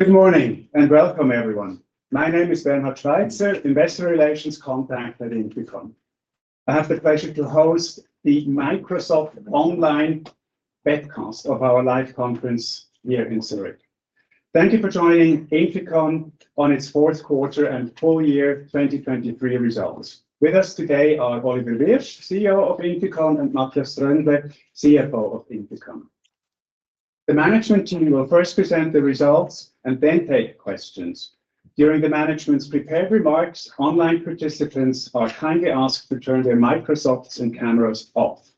Good morning, and welcome, everyone. My name is Bernhard Schweizer, investor relations contact at INFICON. I have the pleasure to host the Microsoft online webcast of our live conference here in Zurich. Thank you for joining INFICON on its fourth quarter and full year 2023 results. With us today are Oliver Wyrsch, CEO of INFICON, and Matthias Tröndle, CFO of INFICON. The management team will first present the results and then take questions. During the management's prepared remarks, online participants are kindly asked to turn their microphones and cameras off.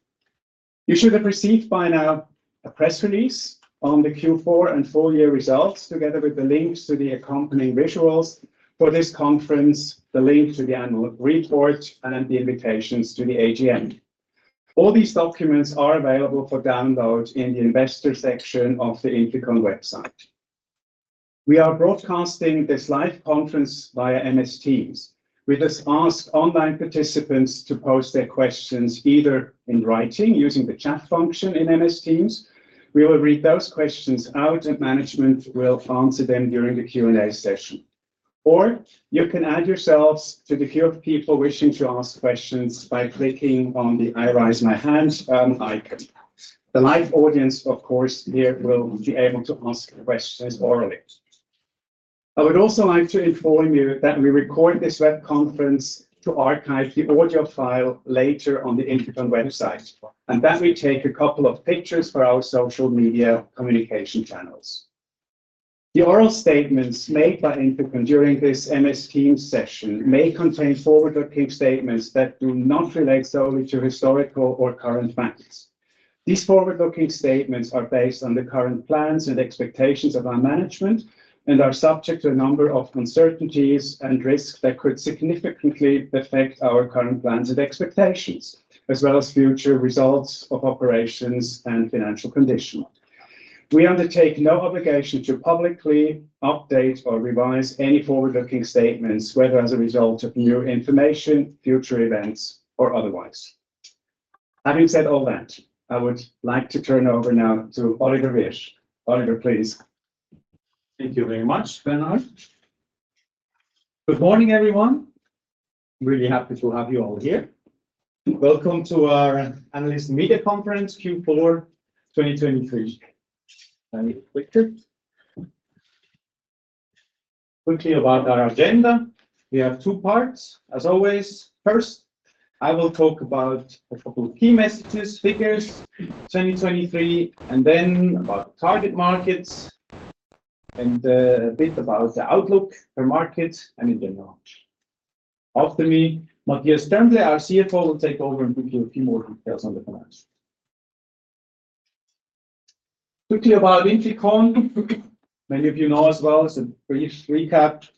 You should have received by now a press release on the Q4 and full year results, together with the links to the accompanying visuals for this conference, the link to the annual report, and the invitations to the AGM. All these documents are available for download in the investor section of the INFICON website. We are broadcasting this live conference via MS Teams. We just ask online participants to pose their questions either in writing using the chat function in MS Teams. We will read those questions out, and management will answer them during the Q&A session. Or you can add yourselves to the queue of people wishing to ask questions by clicking on the I raise my hand icon. The live audience, of course, here will be able to ask questions orally. I would also like to inform you that we record this web conference to archive the audio file later on the INFICON website, and that we take a couple of pictures for our social media communication channels. The oral statements made by INFICON during this MS Teams session may contain forward-looking statements that do not relate solely to historical or current facts. These forward-looking statements are based on the current plans and expectations of our management and are subject to a number of uncertainties and risks that could significantly affect our current plans and expectations, as well as future results of operations and financial condition. We undertake no obligation to publicly update or revise any forward-looking statements, whether as a result of new information, future events, or otherwise. Having said all that, I would like to turn over now to Oliver Wyrsch. Oliver, please. Thank you very much, Bernhard. Good morning, everyone. Really happy to have you all here. Welcome to our analyst media conference, Q4 2023. Let me click it. Quickly about our agenda, we have two parts, as always. First, I will talk about a couple of key messages, figures, 2023, and then about target markets, and a bit about the outlook, the market, and in the launch. After me, Matthias Tröndle, our CFO, will take over and give you a few more details on the finance. Quickly about INFICON. Many of you know as well, as a brief recap,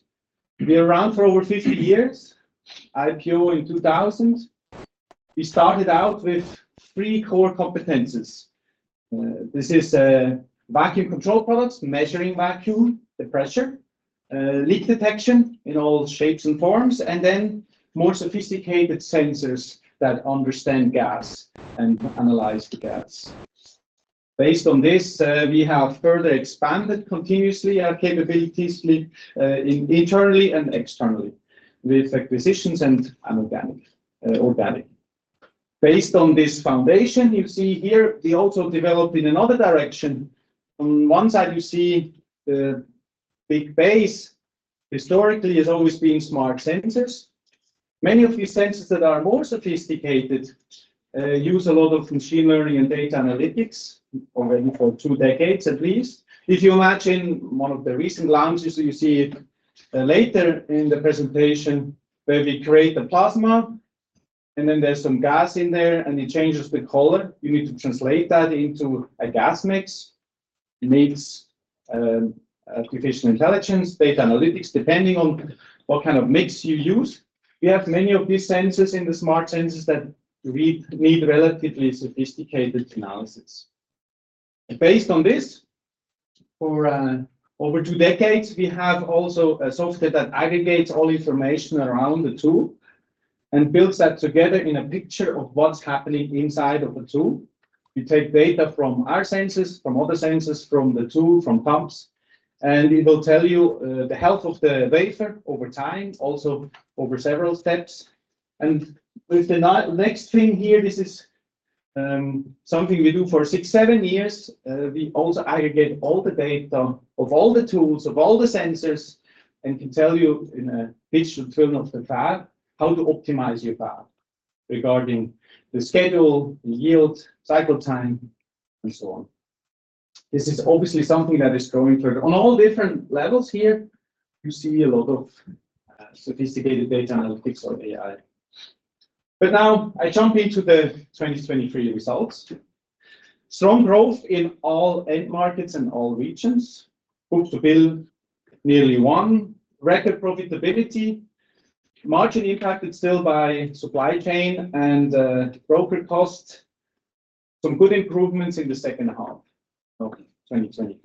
we're around for over 50 years, IPO in 2000. We started out with three core competencies. This is vacuum control products, measuring vacuum, the pressure, leak detection in all shapes and forms, and then more sophisticated sensors that understand gas and analyze the gas. Based on this, we have further expanded continuously our capabilities internally and externally with acquisitions and organic organic. Based on this foundation you see here, we also developed in another direction. On one side, you see the big base historically has always been smart sensors. Many of these sensors that are more sophisticated use a lot of machine learning and data analytics, already for two decades, at least. If you imagine one of the recent launches, you see it later in the presentation, where we create the plasma, and then there's some gas in there, and it changes the color. You need to translate that into a gas mix. It needs artificial intelligence, data analytics, depending on what kind of mix you use. We have many of these sensors in the smart sensors that we need relatively sophisticated analysis. Based on this, for over 2 decades, we have also a software that aggregates all information around the tool and builds that together in a picture of what's happening inside of the tool. We take data from our sensors, from other sensors, from the tool, from pumps, and it will tell you the health of the vapor over time, also over several steps. And with the next thing here, this is something we do for 6-7 years. We also aggregate all the data of all the tools, of all the sensors, and can tell you in a digital twin of the fab, how to optimize your fab regarding the schedule, the yield, cycle time, and so on. This is obviously something that is going through. On all different levels here, you see a lot of sophisticated data analytics or AI. Now I jump into the 2023 results. Strong growth in all end markets and all regions. Book-to-bill nearly 1. Record profitability. Margin impacted still by supply chain and broker costs. Some good improvements in the second half of 2023.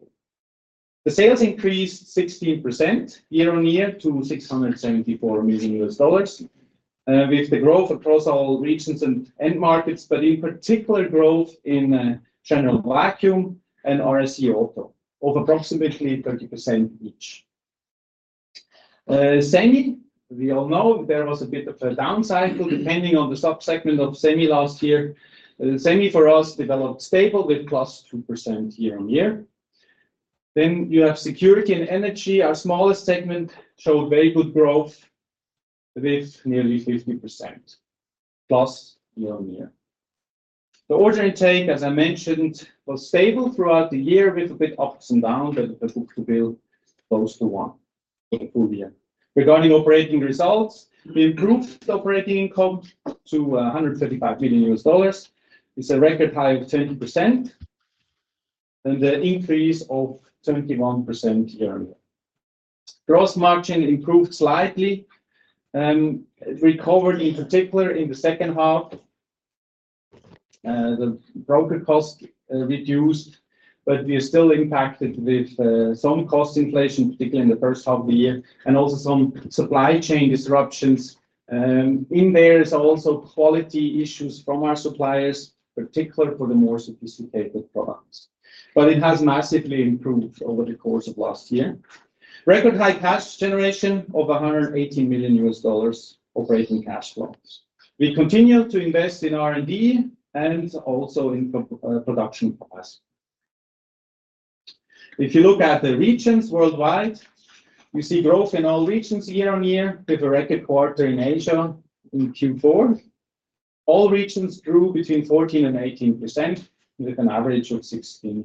The sales increased 16% year-on-year to $674 million with the growth across all regions and end markets, but in particular, growth in general vacuum and RAC of approximately 30% each. Semi, we all know there was a bit of a down cycle, depending on the sub-segment of Semi last year. Semi, for us, developed stable with +2% year-on-year. Then you have Security and Energy. Our smallest segment showed very good growth, with nearly 50%+ year-on-year. The order intake, as I mentioned, was stable throughout the year, with a bit ups and downs, but the book-to-bill close to 1 for the full year. Regarding operating results, we improved operating income to $135 million. It's a record high of 20%, and an increase of 21% year-on-year. Gross margin improved slightly, it recovered in particular in the second half. The product cost reduced, but we are still impacted with some cost inflation, particularly in the first half of the year, and also some supply chain disruptions. And there is also quality issues from our suppliers, particularly for the more sophisticated products, but it has massively improved over the course of last year. Record high cash generation of $180 million operating cash flows. We continue to invest in R&D and also in production costs. If you look at the regions worldwide, we see growth in all regions year-over-year, with a record quarter in Asia in Q4. All regions grew between 14%-18%, with an average of 16%.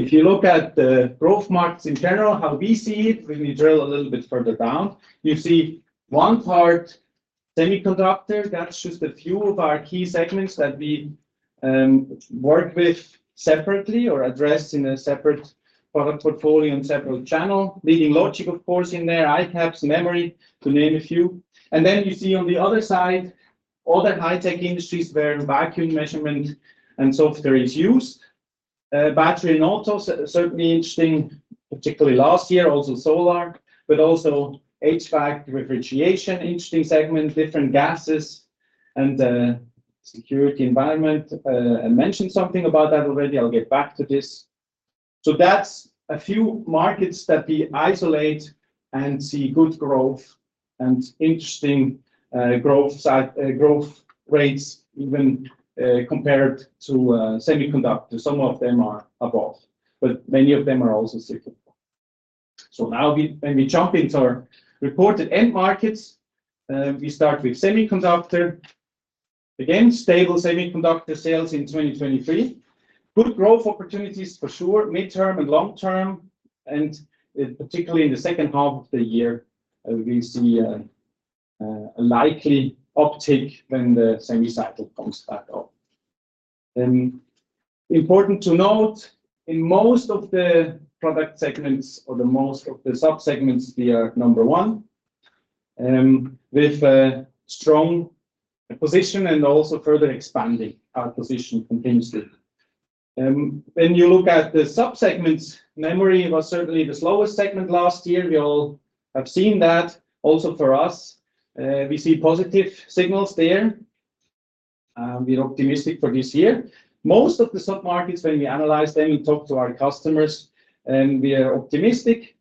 If you look at the growth markets in general, how we see it, when we drill a little bit further down, you see one part semiconductor, that's just a few of our key segments that we work with separately or address in a separate product portfolio and separate channel. Leading logic, of course, in there, ICAPS, memory, to name a few. And then you see on the other side, all the high-tech industries where vacuum measurement and software is used. Battery and auto, certainly interesting, particularly last year, also solar, but also HVAC, refrigeration, interesting segment, different gases and, security environment. I mentioned something about that already. I'll get back to this. So that's a few markets that we isolate and see good growth and interesting, growth rates, even, compared to, semiconductor. Some of them are above, but many of them are also similar. So now we jump into our reported end markets. We start with semiconductor. Again, stable semiconductor sales in 2023. Good growth opportunities for sure, midterm and long term, and particularly in the second half of the year, we see a likely uptick when the semi-cycle comes back up. Important to note, in most of the product segments or the most of the sub-segments, we are number one, with a strong position and also further expanding our position continuously. When you look at the sub-segments, memory was certainly the slowest segment last year. We all have seen that also for us. We see positive signals there, and we're optimistic for this year. Most of the sub-markets, when we analyze them, we talk to our customers, and we are optimistic.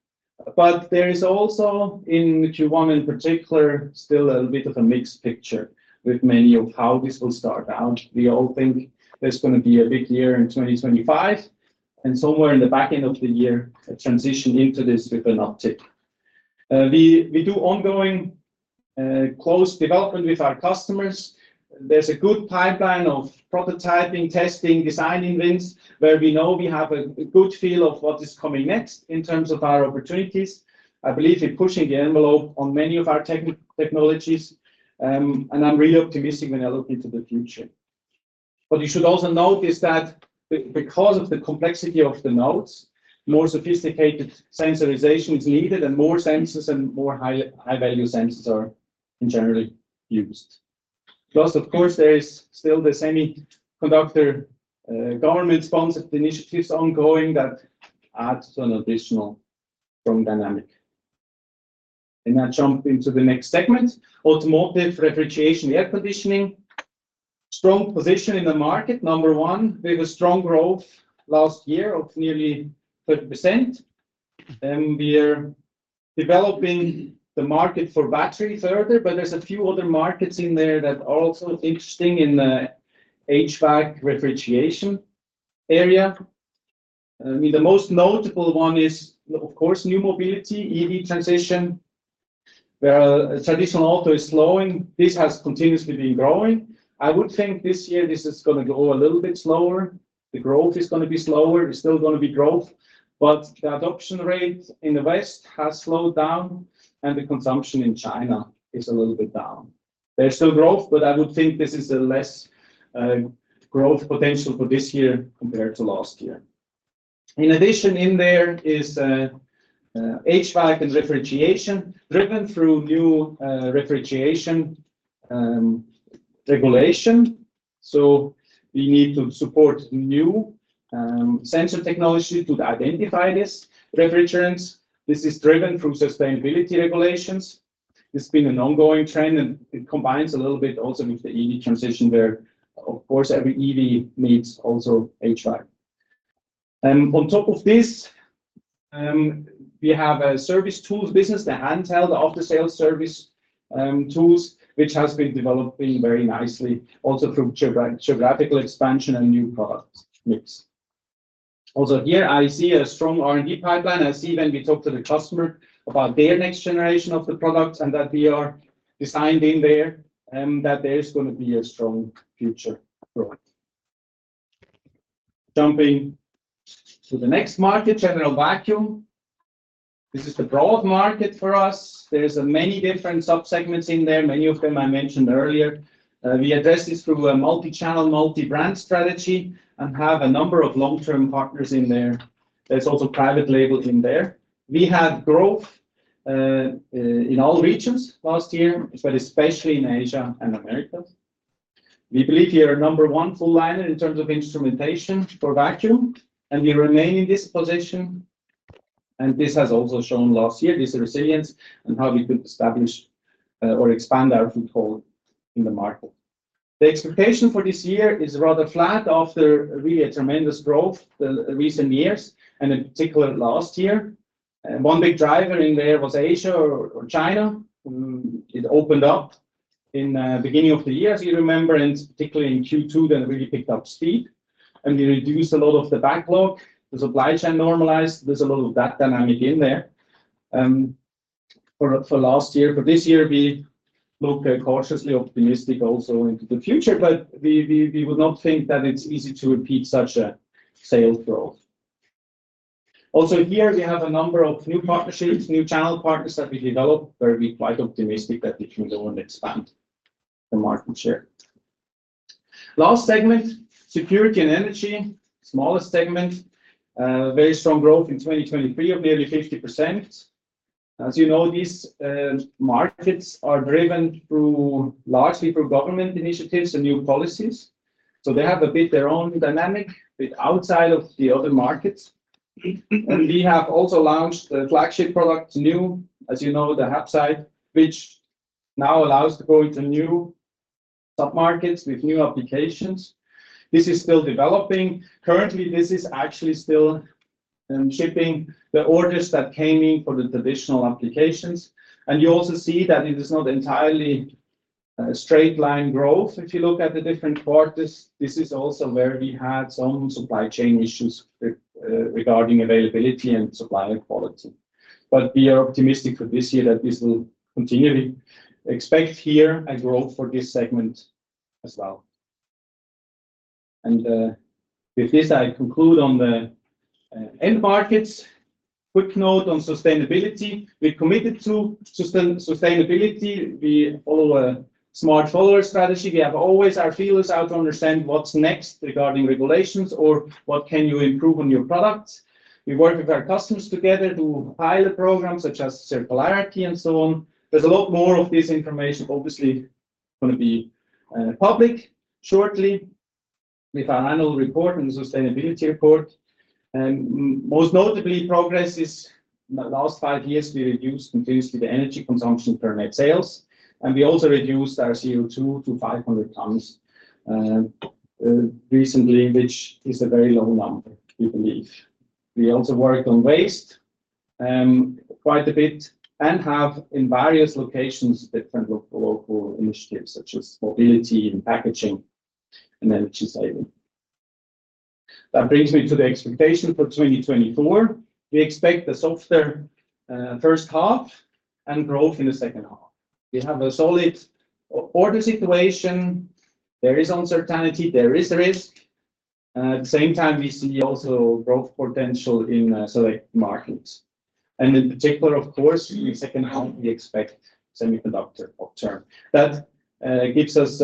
But there is also, in Q1 in particular, still a bit of a mixed picture with many of how this will start out. We all think there's gonna be a big year in 2025, and somewhere in the back end of the year, a transition into this with an uptick. We do ongoing close development with our customers. There's a good pipeline of prototyping, testing, designing wins, where we know we have a good feel of what is coming next in terms of our opportunities. I believe in pushing the envelope on many of our technologies, and I'm really optimistic when I look into the future. What you should also notice that because of the complexity of the nodes, more sophisticated sensorization is needed, and more sensors and more high-value sensors are generally used. Plus, of course, there is still the semiconductor government-sponsored initiatives ongoing that adds an additional strong dynamic. I jump into the next segment, Automotive, Refrigeration, Air Conditioning. Strong position in the market, number one, with a strong growth last year of nearly 30%. We are developing the market for battery further, but there's a few other markets in there that are also interesting in the HVAC refrigeration area. I mean, the most notable one is, of course, new mobility, EV transition, where traditional auto is slowing. This has continuously been growing. I would think this year, this is gonna go a little bit slower. The growth is gonna be slower. It's still gonna be growth, but the adoption rate in the West has slowed down, and the consumption in China is a little bit down. There's still growth, but I would think this is a less growth potential for this year compared to last year. In addition, in there is HVAC and refrigeration, driven through new refrigeration regulation. So we need to support new sensor technology to identify these refrigerants. This is driven through sustainability regulations. It's been an ongoing trend, and it combines a little bit also with the EV transition, where, of course, every EV needs also HR. On top of this, we have a service tools business, the handheld, the after-sales service, tools, which has been developing very nicely, also through geographical expansion and new product mix. Also here I see a strong R&D pipeline. I see when we talk to the customer about their next generation of the products and that we are designed in there, and that there is gonna be a strong future growth. Jumping to the next market, general vacuum. This is the broad market for us. There's many different sub-segments in there, many of them I mentioned earlier. We address this through a multi-channel, multi-brand strategy and have a number of long-term partners in there. There's also private label in there. We had growth in all regions last year, but especially in Asia and Americas. We believe we are number one full liner in terms of instrumentation for vacuum, and we remain in this position, and this has also shown last year, this resilience and how we could establish or expand our foothold in the market. The expectation for this year is rather flat after really a tremendous growth the recent years, and in particular last year. One big driver in there was Asia or China. It opened up in beginning of the year, as you remember, and particularly in Q2, then really picked up speed, and we reduced a lot of the backlog. The supply chain normalized. There's a little of that dynamic in there for last year. But this year we look cautiously optimistic also into the future, but we would not think that it's easy to repeat such a sales growth. Also, here we have a number of new partnerships, new channel partners that we developed, where we're quite optimistic that we can go and expand the market share. Last segment, security and energy. Smaller segment, very strong growth in 2023 of nearly 50%. As you know, these markets are driven largely through government initiatives and new policies, so they have a bit their own dynamic, a bit outside of the other markets. And we have also launched a flagship product, new, as you know, the HAPSITE, which now allows to go into new sub-markets with new applications. This is still developing. Currently, this is actually still shipping the orders that came in for the traditional applications. You also see that it is not entirely straight line growth. If you look at the different quarters, this is also where we had some supply chain issues with regarding availability and supplier quality. But we are optimistic for this year that this will continue. We expect here a growth for this segment as well. With this, I conclude on the end markets. Quick note on sustainability. We're committed to sustainability. We follow a smart follower strategy. We have always our feelers out to understand what's next regarding regulations or what can you improve on your products. We work with our customers together to pilot the program, such as circularity and so on. There's a lot more of this information, obviously, gonna be public shortly with our annual report and the sustainability report. Most notably, progress is in the last 5 years, we reduced continuously the energy consumption per net sales, and we also reduced our CO2 to 500 tons recently, which is a very low number, we believe. We also worked on waste quite a bit, and have in various locations, different local initiatives, such as mobility and packaging and energy saving. That brings me to the expectation for 2024. We expect a softer first half and growth in the second half. We have a solid order situation. There is uncertainty, there is risk. At the same time, we see also growth potential in select markets. And in particular, of course, in the second half, we expect semiconductor upswing. That gives us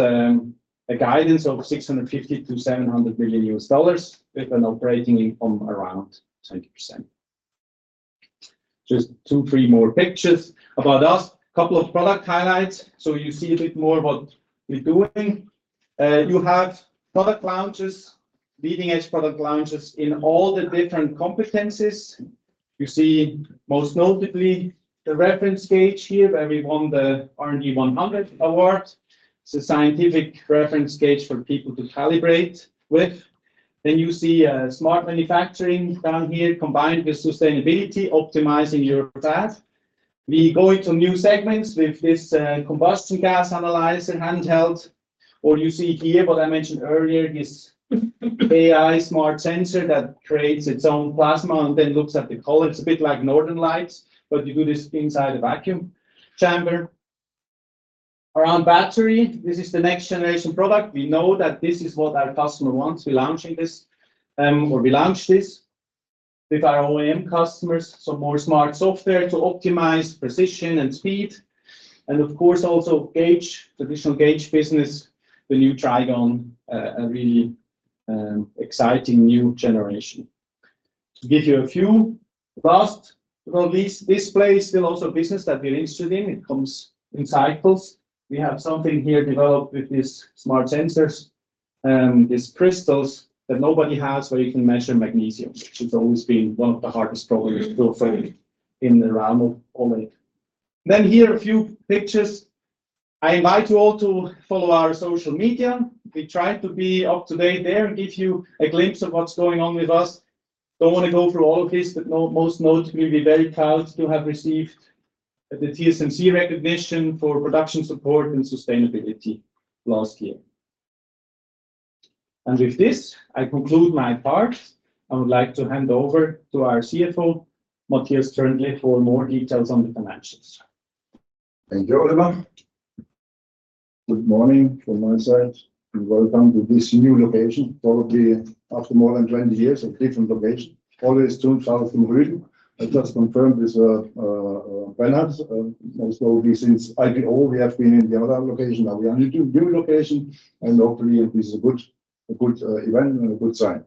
a guidance of $650 billion-$700 billion, with an operating income around 20%. Just 2, 3 more pictures about us. A couple of product highlights, so you see a bit more what we're doing. You have product launches, leading-edge product launches in all the different competencies. You see, most notably, the reference gauge here, where we won the R&D 100 Award. It's a scientific reference gauge for people to calibrate with. Then you see, smart manufacturing down here, combined with sustainability, optimizing your plant. We go into new segments with this, combustion gas analyzer handheld, or you see here, what I mentioned earlier, this AI smart sensor that creates its own plasma and then looks at the color. It's a bit like northern lights, but you do this inside a vacuum chamber. Around battery, this is the next generation product. We know that this is what our customer wants. We're launching this, or we launched this with our OEM customers, so more smart software to optimize precision and speed. And of course, also gauge, traditional gauge business, the new Trigon, a really, exciting new generation. To give you a few, last, but not least, display is still also a business that we're interested in. It comes in cycles. We have something here developed with these smart sensors, and these crystals that nobody has, where you can measure magnesium, which has always been one of the hardest problems to fulfill in the realm of OLED. Then here are a few pictures. I invite you all to follow our social media. We try to be up to date there and give you a glimpse of what's going on with us. Don't want to go through all of this, but most notably, we're very proud to have received the TSMC recognition for production support and sustainability last year. With this, I conclude my part. I would like to hand over to our CFO, Matthias Tröndle, for more details on the financials. Thank you, Oliver. Good morning from my side, and welcome to this new location. Probably after more than 20 years, a different location, always 2,000 from Rüden. I just confirmed with Bernhard, and also since IPO, we have been in the other location. Now, we are in new location, and hopefully this is a good event and a good sign.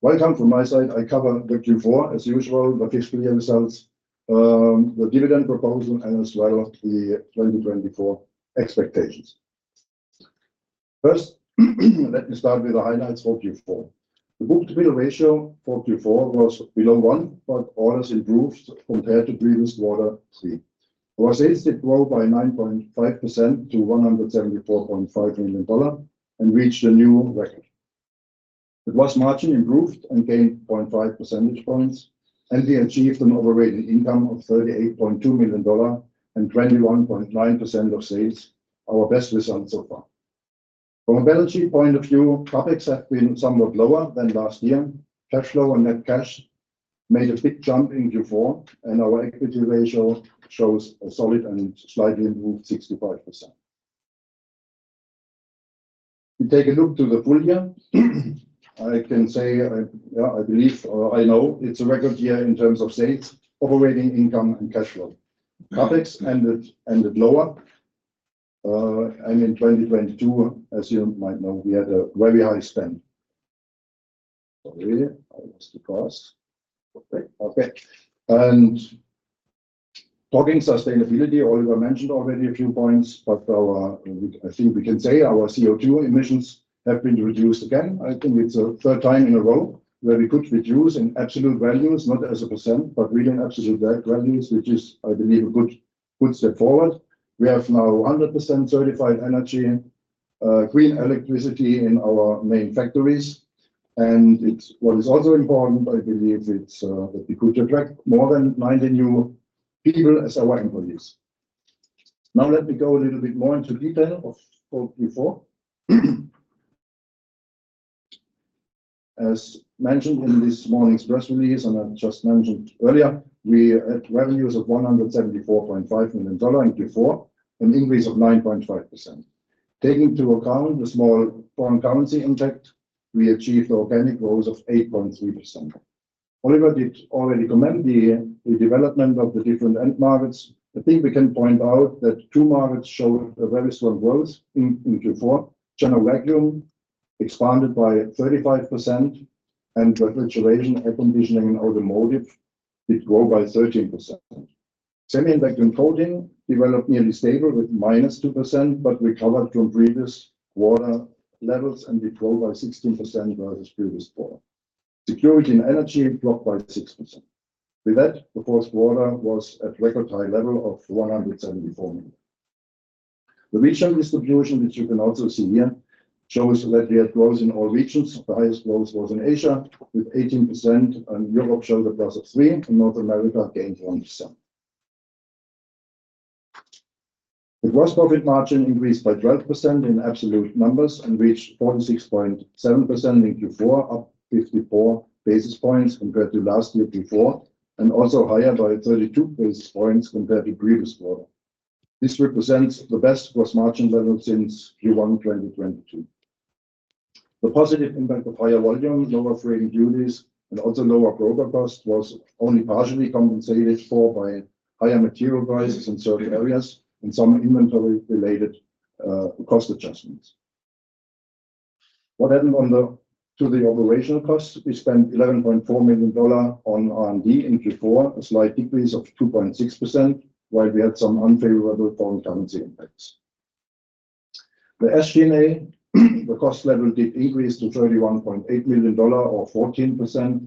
Welcome from my side. I cover the Q4, as usual, the fiscal year results, the dividend proposal, and as well, the 2024 expectations. First, let me start with the highlights for Q4. The book-to-bill ratio for Q4 was below one, but orders improved compared to previous quarter three. Our sales did grow by 9.5% to $174.5 million and reached a new record. The gross margin improved and gained 0.5 percentage points, and we achieved an operating income of $38.2 million and 21.9% of sales, our best result so far. From a balance sheet point of view, CapEx have been somewhat lower than last year. Cash flow and net cash made a big jump in Q4, and our equity ratio shows a solid and slightly improved 65%. We take a look to the full year. I can say, I, yeah, I believe, or I know it's a record year in terms of sales, operating income, and cash flow. CapEx ended, ended lower, and in 2022, as you might know, we had a very high spend. Sorry, I lost the course. Okay. Talking sustainability, Oliver mentioned already a few points, but I think we can say our CO2 emissions have been reduced again. I think it's a third time in a row where we could reduce in absolute values, not as a percent, but really in absolute values, which is, I believe, a good, good step forward. We have now 100% certified energy, green electricity in our main factories, and what is also important, I believe, it's that we could attract more than 90 new people as our employees. Now, let me go a little bit more into detail of Q4. As mentioned in this morning's press release, and I just mentioned earlier, we had revenues of $174.5 million in Q4, an increase of 9.5%. Taking into account the small foreign currency impact, we achieved organic growth of 8.3%. Oliver did already comment on the development of the different end markets. I think we can point out that two markets showed a very strong growth in Q4. General vacuum expanded by 35%, and refrigeration, air conditioning, and automotive did grow by 13%. Semi-insulating coating developed nearly stable with -2%, but recovered from previous quarter levels and did grow by 16% versus previous quarter. Security and energy dropped by 6%. With that, the fourth quarter was at record high level of $174 million. The regional distribution, which you can also see here, shows that we had growth in all regions. The highest growth was in Asia, with 18%, and Europe showed a +3%, and North America gained 1%. The gross profit margin increased by 12% in absolute numbers and reached 46.7% in Q4, up 54 basis points compared to last year, Q4, and also higher by 32 basis points compared to previous quarter. This represents the best gross margin level since Q1 2022. The positive impact of higher volume, lower trading duties, and also lower broker cost, was only partially compensated for by higher material prices in certain areas and some inventory-related cost adjustments. What happened to the operational costs? We spent $11.4 million on R&D in Q4, a slight increase of 2.6%, while we had some unfavorable foreign currency impacts. The SG&A, the cost level did increase to $31.8 million or 14%.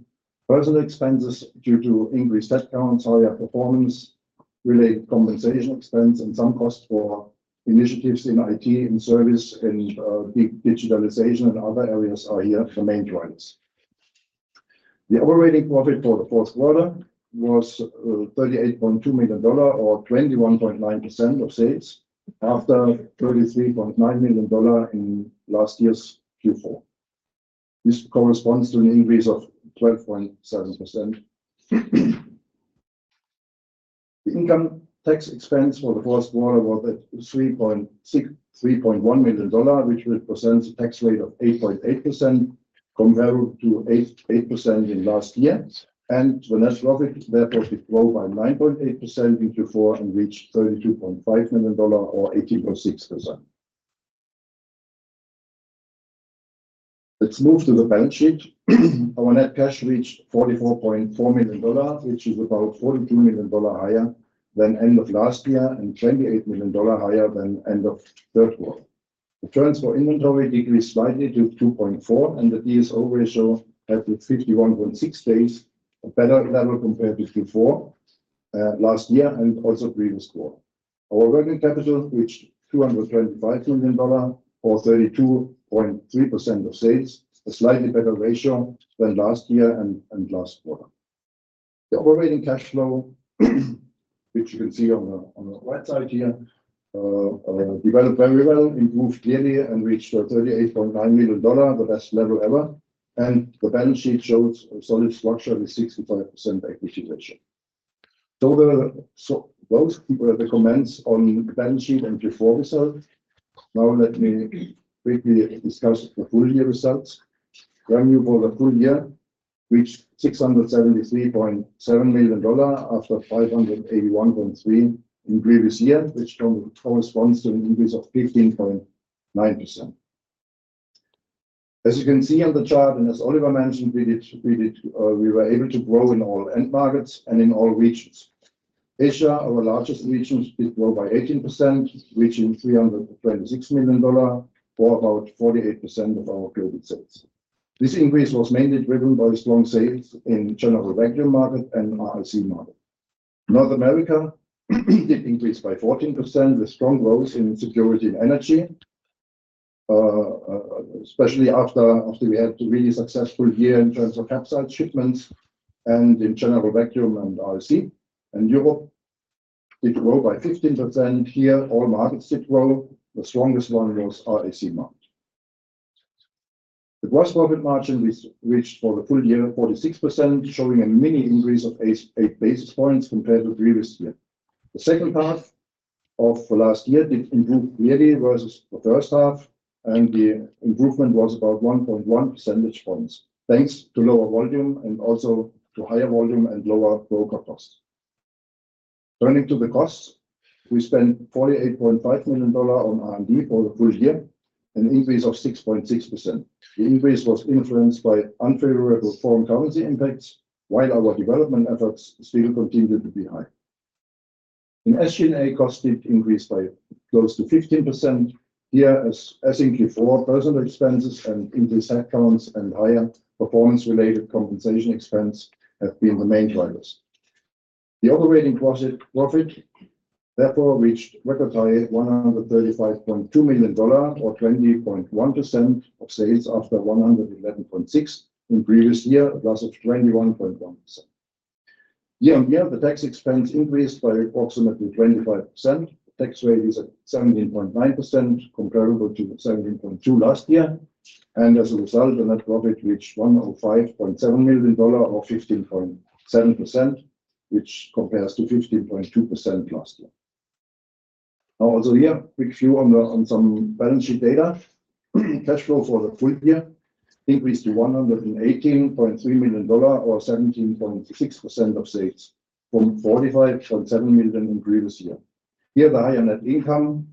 Personnel expenses due to increased headcounts, higher performance related compensation expense, and some costs for initiatives in IT, and service, and big digitalization and other areas are here, the main drivers. The operating profit for the fourth quarter was $38.2 million or 21.9% of sales, after $33.9 million in last year's Q4. This corresponds to an increase of 12.7%. The income tax expense for the first quarter was at $3.1 million, which represents a tax rate of 8.8%, comparable to 8.8% in last year. The net profit therefore did grow by 9.8% in Q4 and reached $32.5 million or 18.6%. Let's move to the balance sheet. Our net cash reached $44.4 million, which is about $42 million higher than end of last year and $28 million higher than end of third quarter. The trends for inventory decreased slightly to 2.4, and the DSO ratio ended 51.6 days, a better level compared to Q4 last year and also previous quarter. Our working capital reached $225 million or 32.3% of sales, a slightly better ratio than last year and, and last quarter. The operating cash flow, which you can see on the, on the right side here, developed very well. It improved clearly and reached $38.9 million, the best level ever, and the balance sheet shows a solid structure with 65% equity ratio. Those were the comments on the balance sheet and Q4 results. Now let me quickly discuss the full year results. Revenue for the full year reached $673.7 million, after $581.3 million in previous year, which corresponds to an increase of 15.9%. As you can see on the chart, and as Oliver mentioned, we were able to grow in all end markets and in all regions. Asia, our largest region, did grow by 18%, reaching $326 million, or about 48% of our global sales. This increase was mainly driven by strong sales in general vacuum market and RAC market. North America did increase by 14%, with strong growth in security and energy, especially after we had a really successful year in terms of capsule shipments and in general vacuum and RAC. Europe, it grew by 15%. Here, all markets did grow. The strongest one was RAC market. The gross profit margin is reached for the full year, 46%, showing a minor increase of 8 basis points compared to the previous year. The second half of last year did improve yearly versus the first half, and the improvement was about 1.1 percentage points, thanks to lower volume and also to higher volume and lower broker costs. Turning to the costs, we spent $48.5 million on R&D for the full year, an increase of 6.6%. The increase was influenced by unfavorable foreign currency impacts, while our development efforts still continued to be high. In SG&A costs did increase by close to 15%. Here, as in Q4, personal expenses and interest accounts and higher performance-related compensation expense have been the main drivers. The operating profit therefore reached record high $135.2 million or 20.1% of sales, after $111.6 million in previous year, a +21.1%. Year-on-year, the tax expense increased by approximately 25%. Tax rate is at 17.9%, comparable to 17.2% last year, and as a result, the net profit reached $105.7 million or 15.7%, which compares to 15.2% last year. Now, also here, a quick view on some balance sheet data. Cash flow for the full year increased to $118.3 million or 17.6% of sales, from $45.7 million in the previous year. Here, the higher net income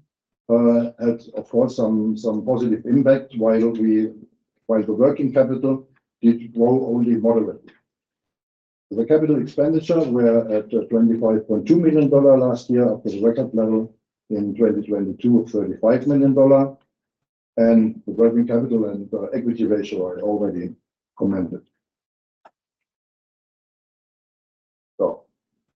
had, of course, some positive impact, while the working capital did grow only moderately. The capital expenditures were at $25.2 million last year, after the record level in 2022 of $35 million, and the working capital and equity ratio I already commented.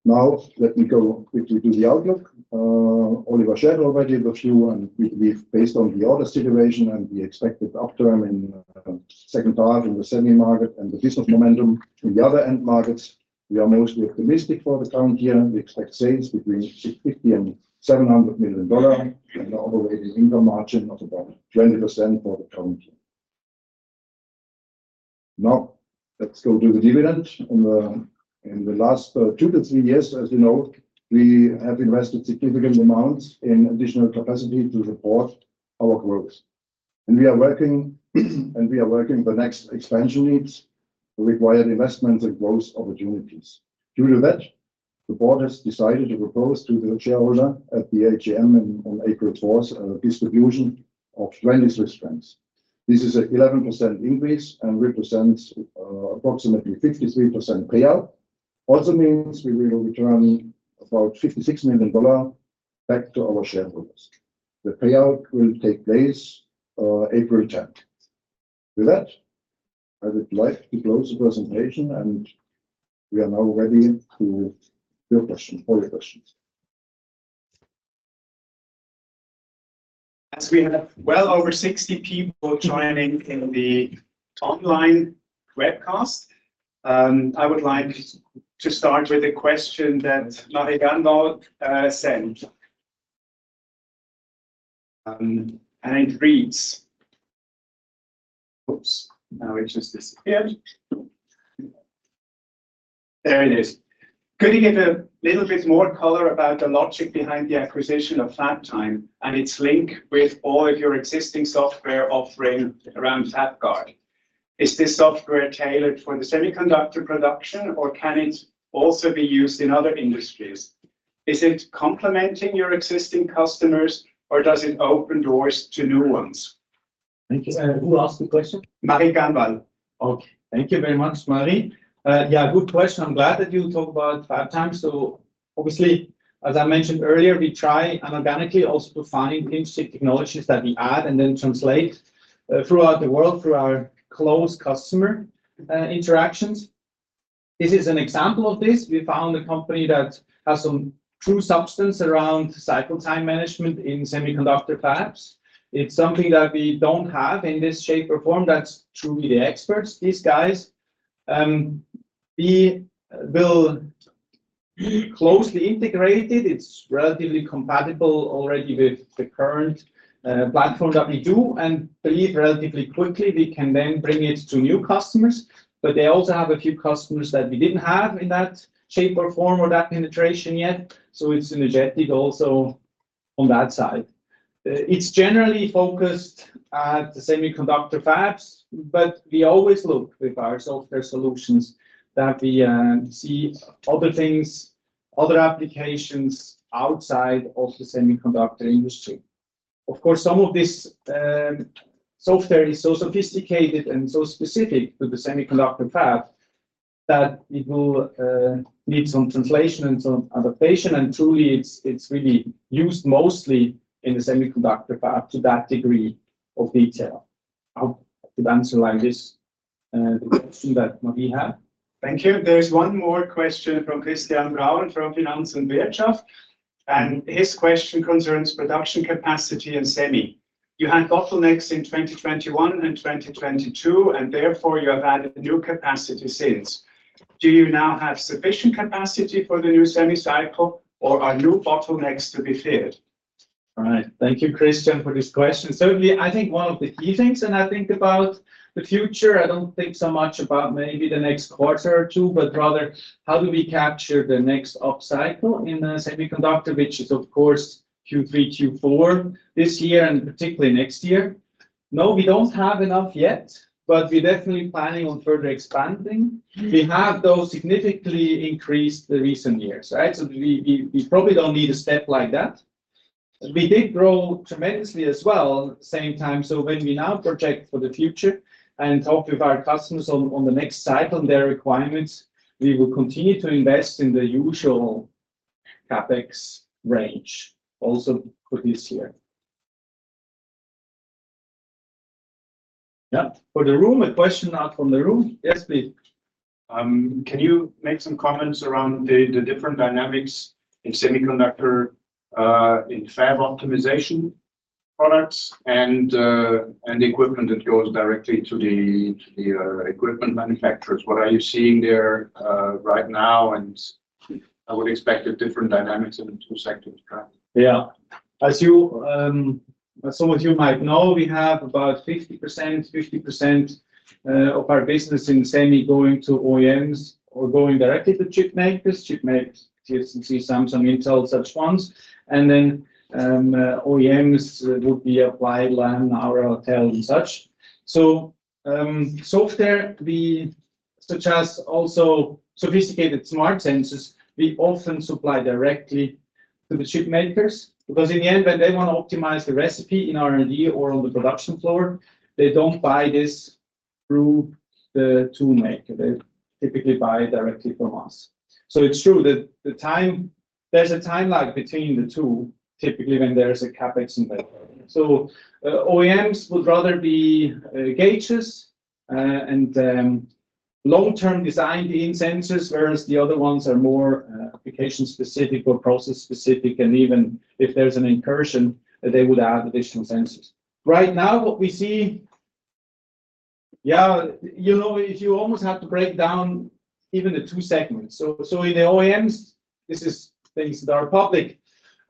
So now let me go quickly to the outlook. Oliver shared already the view, and we based on the order situation and the expected upturn in second half in the semi market and the business momentum in the other end markets, we are mostly optimistic for the current year, and we expect sales between $60 million and $700 million and an operating income margin of about 20% for the current year. Now, let's go to the dividend. In the last two to three years, as you know, we have invested significant amounts in additional capacity to support our growth, and we are working the next expansion needs, required investments, and growth opportunities. Due to that, the board has decided to propose to the shareholder at the AGM on April fourth distribution of 20 CHF. This is an 11% increase and represents approximately 53% payout. Also means we will return about $56 million back to our shareholders. The payout will take place April tenth. With that, I would like to close the presentation, and we are now ready to your questions, for your questions. As we have well over 60 people joining in the online webcast, I would like to start with a question that Marie Gandolf sent. And it reads... Oops, now it's just disappeared. There it is. "Could you give a little bit more color about the logic behind the acquisition of FabTime and its link with all your existing software offering around FabGuard? Is this software tailored for the semiconductor production, or can it also be used in other industries? Is it complementing your existing customers, or does it open doors to new ones? Thank you. Who asked the question? Marie Gamval. Okay. Thank you very much, Marie. Yeah, good question. I'm glad that you talked about FabTime. So obviously, as I mentioned earlier, we try inorganically also to find interesting technologies that we add and then translate throughout the world through our close customer interactions. This is an example of this. We found a company that has some true substance around cycle time management in semiconductor fabs. It's something that we don't have in this shape or form, that's truly the experts, these guys. We will be closely integrated. It's relatively compatible already with the current platform that we do, and believe relatively quickly, we can then bring it to new customers. But they also have a few customers that we didn't have in that shape or form or that penetration yet, so it's energetic also on that side. It's generally focused at the semiconductor fabs, but we always look with our software solutions that we see other things, other applications outside of the semiconductor industry. Of course, some of this software is so sophisticated and so specific to the semiconductor fab, that it will need some translation and some adaptation, and truly, it's, it's really used mostly in the semiconductor fab to that degree of detail. I hope the answer like this the question that we have. Thank you. There's one more question from Christian Braun, from Finanz und Wirtschaft, and his question concerns production capacity in Semi. You had bottlenecks in 2021 and 2022, and therefore you have added new capacity since. Do you now have sufficient capacity for the new semi cycle, or are new bottlenecks to be feared? All right. Thank you, Christian, for this question. Certainly, I think one of the key things, and I think about the future, I don't think so much about maybe the next quarter or two, but rather how do we capture the next upcycle in the semiconductor, which is, of course, Q3, Q4 this year and particularly next year. No, we don't have enough yet, but we're definitely planning on further expanding. We have, though, significantly increased the recent years, right? We probably don't need a step like that. We did grow tremendously as well, same time, so when we now project for the future and talk with our customers on the next cycle, their requirements, we will continue to invest in the usual CapEx range also for this year. Yeah, for the room, a question out from the room. Yes, please. Can you make some comments around the, the different dynamics in semiconductor, in fab optimization products and, and the equipment that goes directly to the, to the, equipment manufacturers? What are you seeing there, right now? And I would expect a different dynamics in the two sectors, right? Yeah. As you, as some of you might know, we have about 50%, 50%, of our business in Semi going to OEMs or going directly to chip makers. Chip makers, TSMC, Samsung, Intel, such ones. And then, OEMs would be Applied, Lam, KLA, and such. So, software, we suggest also sophisticated smart sensors. We often supply directly to the chip makers, because in the end, when they want to optimize the recipe in R&D or on the production floor, they don't buy this through the tool maker. They typically buy directly from us. So it's true that the time- there's a time lag between the two, typically when there's a CapEx investment. OEMs would rather be gauges and long-term design in sensors, whereas the other ones are more application-specific or process-specific, and even if there's an incursion, they would add additional sensors. Right now, what we see... Yeah, you know, you almost have to break down even the two segments. So in the OEMs, this is things that are public.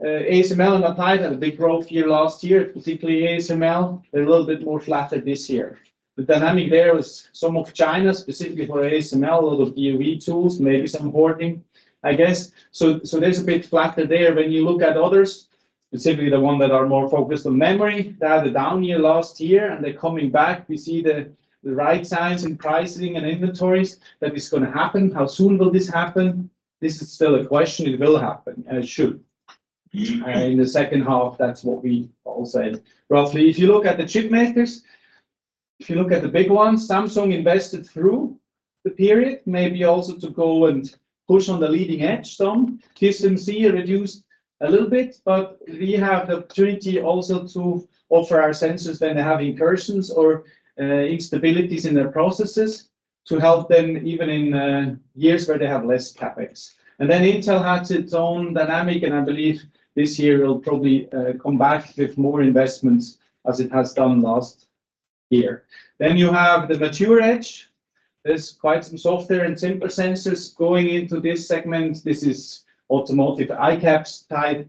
ASML and Applied, big growth here last year, particularly ASML, a little bit more flatter this year. The dynamic there is some of China, specifically for ASML, a lot of EUV tools, maybe some hoarding, I guess. So there's a bit flatter there. When you look at others, specifically the ones that are more focused on memory, they had a down year last year, and they're coming back. We see the right signs in pricing and inventories that it's gonna happen. How soon will this happen? This is still a question. It will happen, and it should. In the second half, that's what we all said. Roughly, if you look at the chip makers, if you look at the big ones, Samsung invested through the period, maybe also to go and push on the leading edge some. TSMC reduced a little bit, but we have the opportunity also to offer our sensors when they have incursions or instabilities in their processes, to help them even in years where they have less CapEx. And then Intel has its own dynamic, and I believe this year will probably come back with more investments, as it has done last year. Then you have the mature edge. There's quite some software and simple sensors going into this segment. This is automotive ICAPS type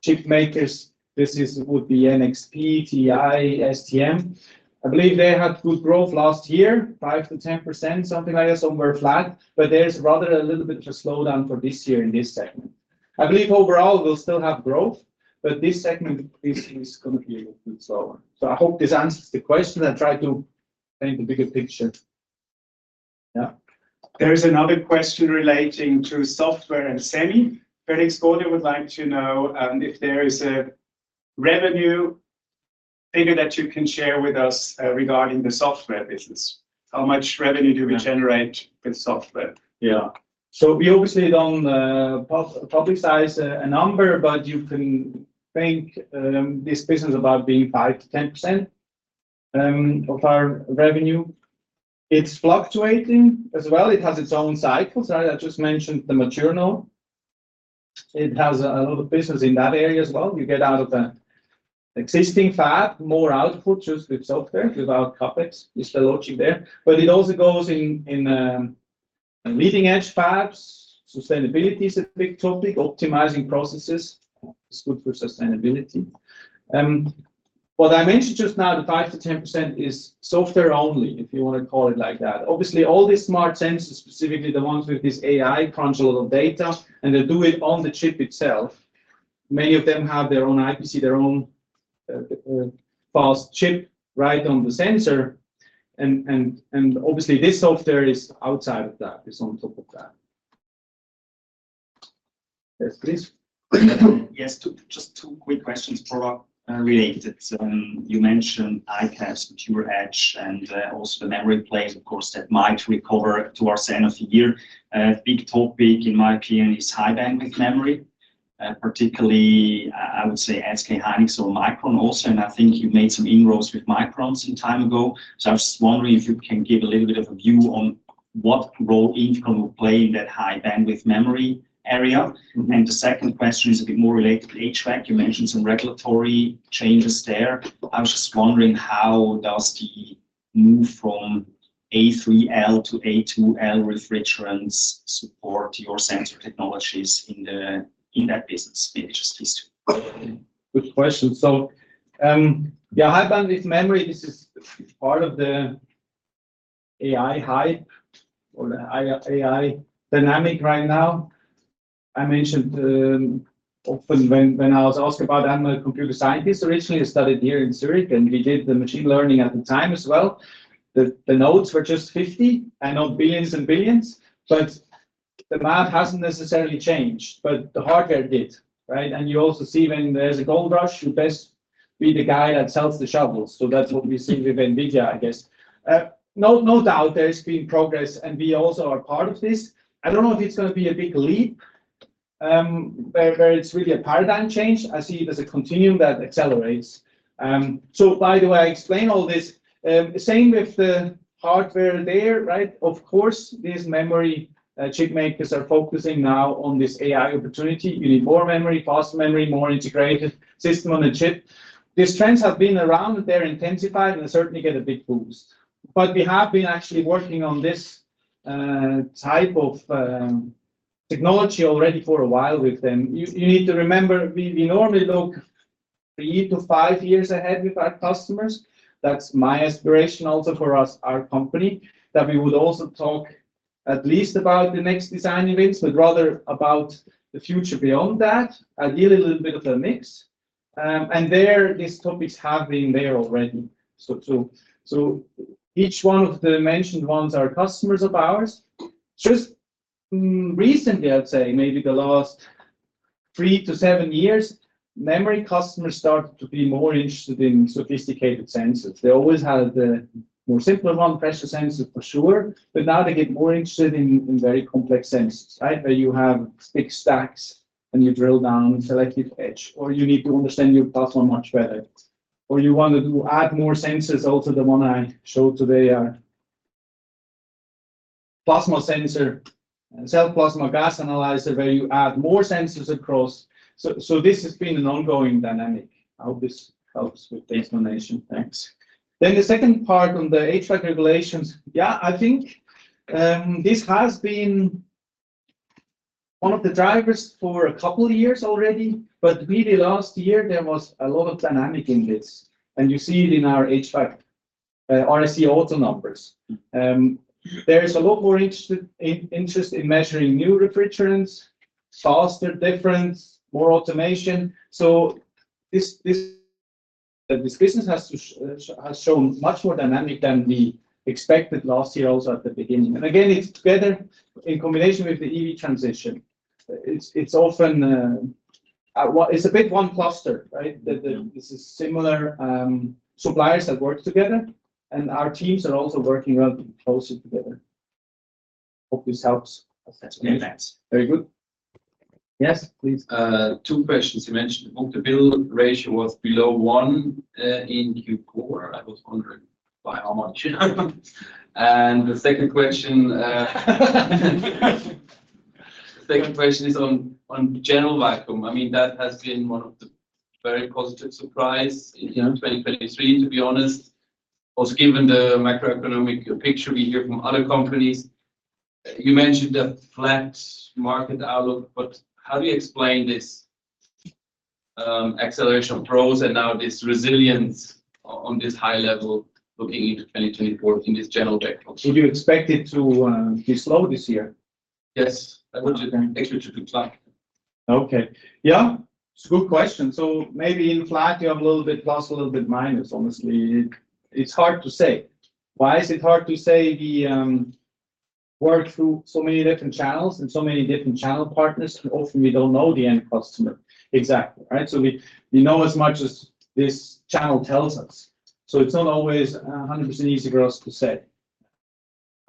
chip makers. This is, would be NXP, TI, STM. I believe they had good growth last year, 5%-10%, something like that, somewhere flat, but there's rather a little bit of slowdown for this year in this segment. I believe overall we'll still have growth, but this segment, this is gonna be a little bit slower. So I hope this answers the question. I tried to paint the bigger picture. Yeah. There is another question relating to software and semi. Felix Gode would like to know if there is a revenue figure that you can share with us regarding the software business. How much revenue do we generate with software? Yeah. So we obviously don't publicize a number, but you can think this business about being 5%-10% of our revenue. It's fluctuating as well. It has its own cycles. I just mentioned the material. It has a lot of business in that area as well. You get out of the existing fab, more output just with software, without CapEx, it's the logic there. But it also goes in leading-edge fabs. Sustainability is a big topic. Optimizing processes is good for sustainability. What I mentioned just now, the 5%-10% is software only, if you wanna call it like that. Obviously, all these smart sensors, specifically the ones with this AI, crunch a lot of data, and they do it on the chip itself. Many of them have their own IPC, their own fast chip right on the sensor, and obviously, this software is outside of that, is on top of that. Yes, please. Yes, two—just two quick questions, product related. You mentioned ICAPS, mature edge, and also the memory plays, of course, that might recover towards the end of the year. Big topic, in my opinion, is high bandwidth memory, particularly, I, I would say, SK Hynix or Micron also, and I think you've made some inroads with Micron some time ago. So I was just wondering if you can give a little bit of a view on what role INFICON will play in that high bandwidth memory area. Mm-hmm. The second question is a bit more related to HVAC. You mentioned some regulatory changes there. I was just wondering, how does the move from A3L to A2L refrigerants support your sensor technologies in that business? Yeah, just these two. Good question. So, yeah, high bandwidth memory, this is part of the AI hype or the I- AI dynamic right now. I mentioned, often when, when I was asked about, I'm a computer scientist originally, I studied here in Zurich, and we did the machine learning at the time as well. The nodes were just 50, and now billions and billions, but the math hasn't necessarily changed, but the hardware did, right? And you also see when there's a gold rush, you best be the guy that sells the shovels. So that's what we see with Nvidia, I guess. No, no doubt there's been progress, and we also are part of this. I don't know if it's gonna be a big leap, where, where it's really a paradigm change. I see it as a continuum that accelerates. So how do I explain all this? Same with the hardware there, right? Of course, these memory chip makers are focusing now on this AI opportunity. You need more memory, fast memory, more integrated system on the chip. These trends have been around, they're intensified and certainly get a big boost. But we have been actually working on this type of technology already for a while with them. You need to remember, we normally look three to five years ahead with our customers. That's my aspiration also for us, our company, that we would also talk at least about the next design events, but rather about the future beyond that. Ideally, a little bit of a mix. And there, these topics have been there already. So each one of the mentioned ones are customers of ours. Just recently, I'd say, maybe the last 3-7 years, memory customers started to be more interested in sophisticated sensors. They always had the more simpler one, pressure sensor, for sure, but now they get more interested in very complex sensors, right? Where you have big stacks, and you drill down selective edge, or you need to understand your platform much better, or you want to add more sensors also, the one I showed today, plasma sensor, cell plasma gas analyzer, where you add more sensors across. So this has been an ongoing dynamic. I hope this helps with the explanation. Thanks. Then the second part on the HVAC regulations, yeah, I think, this has been one of the drivers for a couple of years already, but really last year there was a lot of dynamic in this, and you see it in our HVAC, RSE auto numbers. There is a lot more interest in measuring new refrigerants, faster difference, more automation. So this business has shown much more dynamic than we expected last year, also at the beginning. And again, it's together in combination with the EV transition. It's often a big one cluster, right? Yeah. This is similar, suppliers that work together, and our teams are also working rather closely together. Hope this helps. Thanks. Very good. Yes, please. 2 questions. You mentioned the book-to-bill ratio was below 1 in Q4. I was wondering by how much? And the second question is on general vacuum. I mean, that has been one of the very positive surprise. Yeah... in 2023, to be honest. Also, given the macroeconomic picture we hear from other companies, you mentioned a flat market outlook, but how do you explain this? Acceleration pros and now this resilience on this high level looking into 2024 in this general technology. Do you expect it to be slow this year? Yes. Would you- Actually, to decline. Okay. Yeah, it's a good question. So maybe in flat, you have a little bit plus, a little bit minus. Honestly, it, it's hard to say. Why is it hard to say? We work through so many different channels and so many different channel partners, and often we don't know the end customer exactly, right? So we, we know as much as this channel tells us, so it's not always 100% easy for us to say.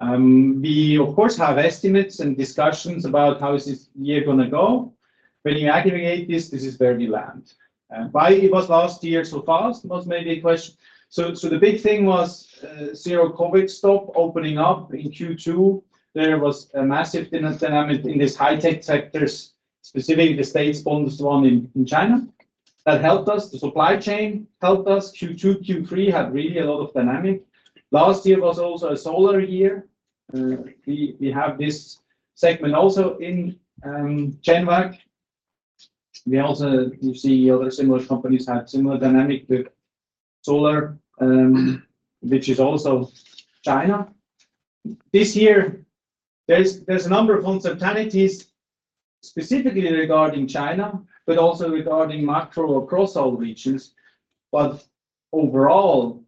We of course have estimates and discussions about how is this year gonna go. When you aggregate this, this is where we land. And why it was last year so fast was maybe a question. So, so the big thing was, zero COVID stop opening up in Q2. There was a massive dynamic in this high-tech sectors, specifically the semis, one, one in, in China. That helped us. The supply chain helped us. Q2, Q3 had really a lot of dynamic. Last year was also a solar year. We, we have this segment also in semicon. We also see other similar companies had similar dynamic to solar, which is also China. This year, there's a number of uncertainties specifically regarding China, but also regarding macro across all regions. But overall,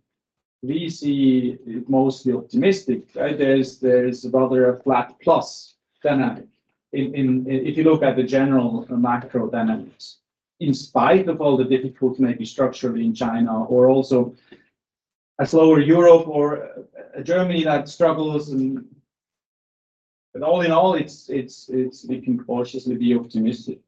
we see mostly optimistic, right? There's rather a flat plus dynamic in if you look at the general macro dynamics, in spite of all the difficult, maybe structurally in China, or also a slower Europe or a Germany that struggles and. But all in all, it's we can cautiously be optimistic.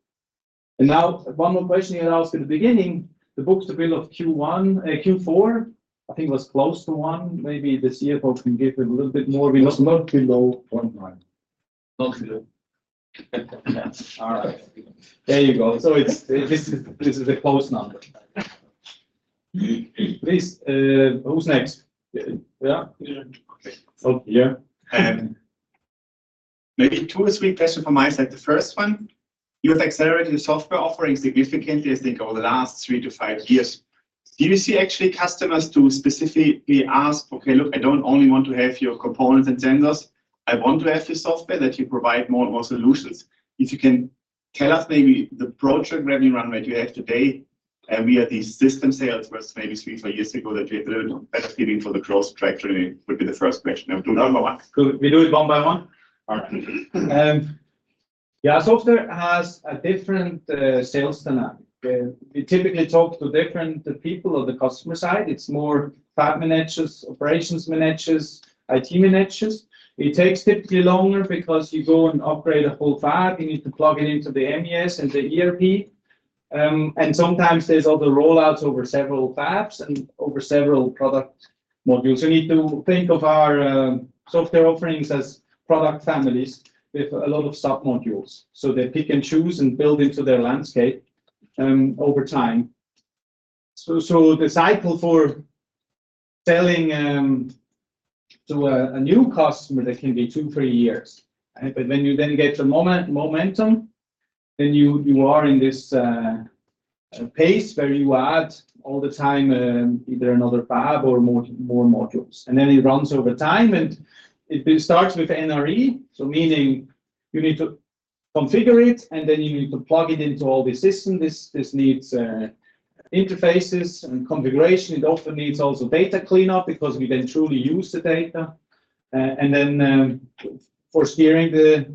Now, one more question you asked in the beginning, the book-to-bill of Q1, Q4, I think was close to one. Maybe the CFO can give a little bit more. It was not below 1 point. Not good. All right. There you go. So it's, this is a close number. Please, who's next? Yeah. Yeah. So, yeah. Maybe 2 or 3 questions from my side. The first one, you have accelerated the software offering significantly, I think, over the last 3-5 years. Do you see actually customers to specifically ask, "Okay, look, I don't only want to have your components and sensors, I want to have your software, that you provide more and more solutions." If you can tell us maybe the broad revenue run rate you have today, and we have these system sales versus maybe 3-4 years ago, that we had a little better feeling for the growth trajectory would be the first question. Do one by one. We do it one by one? All right. Yeah, software has a different sales dynamic. We typically talk to different people on the customer side. It's more fab managers, operations managers, IT managers. It takes typically longer because you go and upgrade a whole fab, you need to plug it into the MES and the ERP. And sometimes there's other rollouts over several fabs and over several product modules. You need to think of our software offerings as product families with a lot of sub-modules, so they pick and choose and build into their landscape, over time. So the cycle for selling to a new customer, that can be 2-3 years. But when you then get the momentum, then you are in this pace where you add all the time, either another fab or more modules, and then it runs over time, and it starts with NRE. So meaning you need to configure it, and then you need to plug it into all the system. This needs interfaces and configuration. It often needs also data cleanup because we then truly use the data. And then, for steering the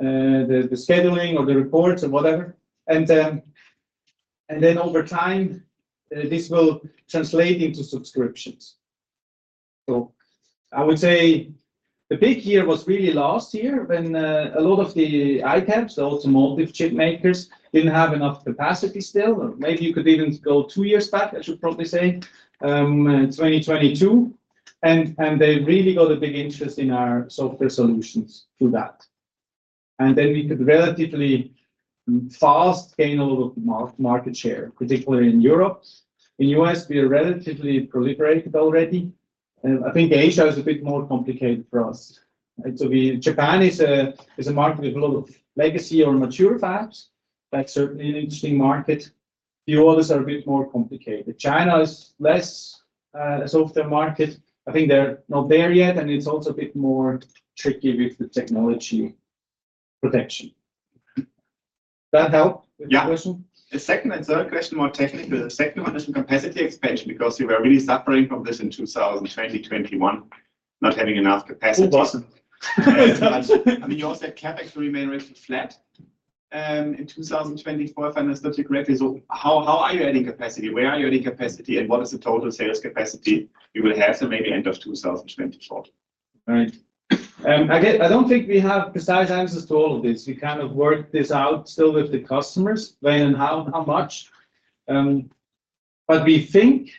scheduling of the reports and whatever. And then over time, this will translate into subscriptions. So I would say the big year was really last year when a lot of the ICAPS, the automotive chip makers, didn't have enough capacity still. Maybe you could even go two years back, I should probably say, 2022, and they really got a big interest in our software solutions through that. And then we could relatively fast gain a lot of market share, particularly in Europe. In U.S., we are relatively proliferated already, and I think Asia is a bit more complicated for us. And so we... Japan is a market with a lot of legacy or mature fabs. That's certainly an interesting market. The others are a bit more complicated. China is less a software market. I think they're not there yet, and it's also a bit more tricky with the technology protection. That help- Yeah. -with the question? The second and third question, more technical. The second one is on capacity expansion, because you were really suffering from this in 2021, not having enough capacity. We wasn't. I mean, you also said CapEx remain relatively flat in 2024, if I understood you correctly. So how are you adding capacity? Where are you adding capacity, and what is the total sales capacity you will have till maybe end of 2024? Right. Again, I don't think we have precise answers to all of this. We kind of work this out still with the customers, when and how, how much. But we think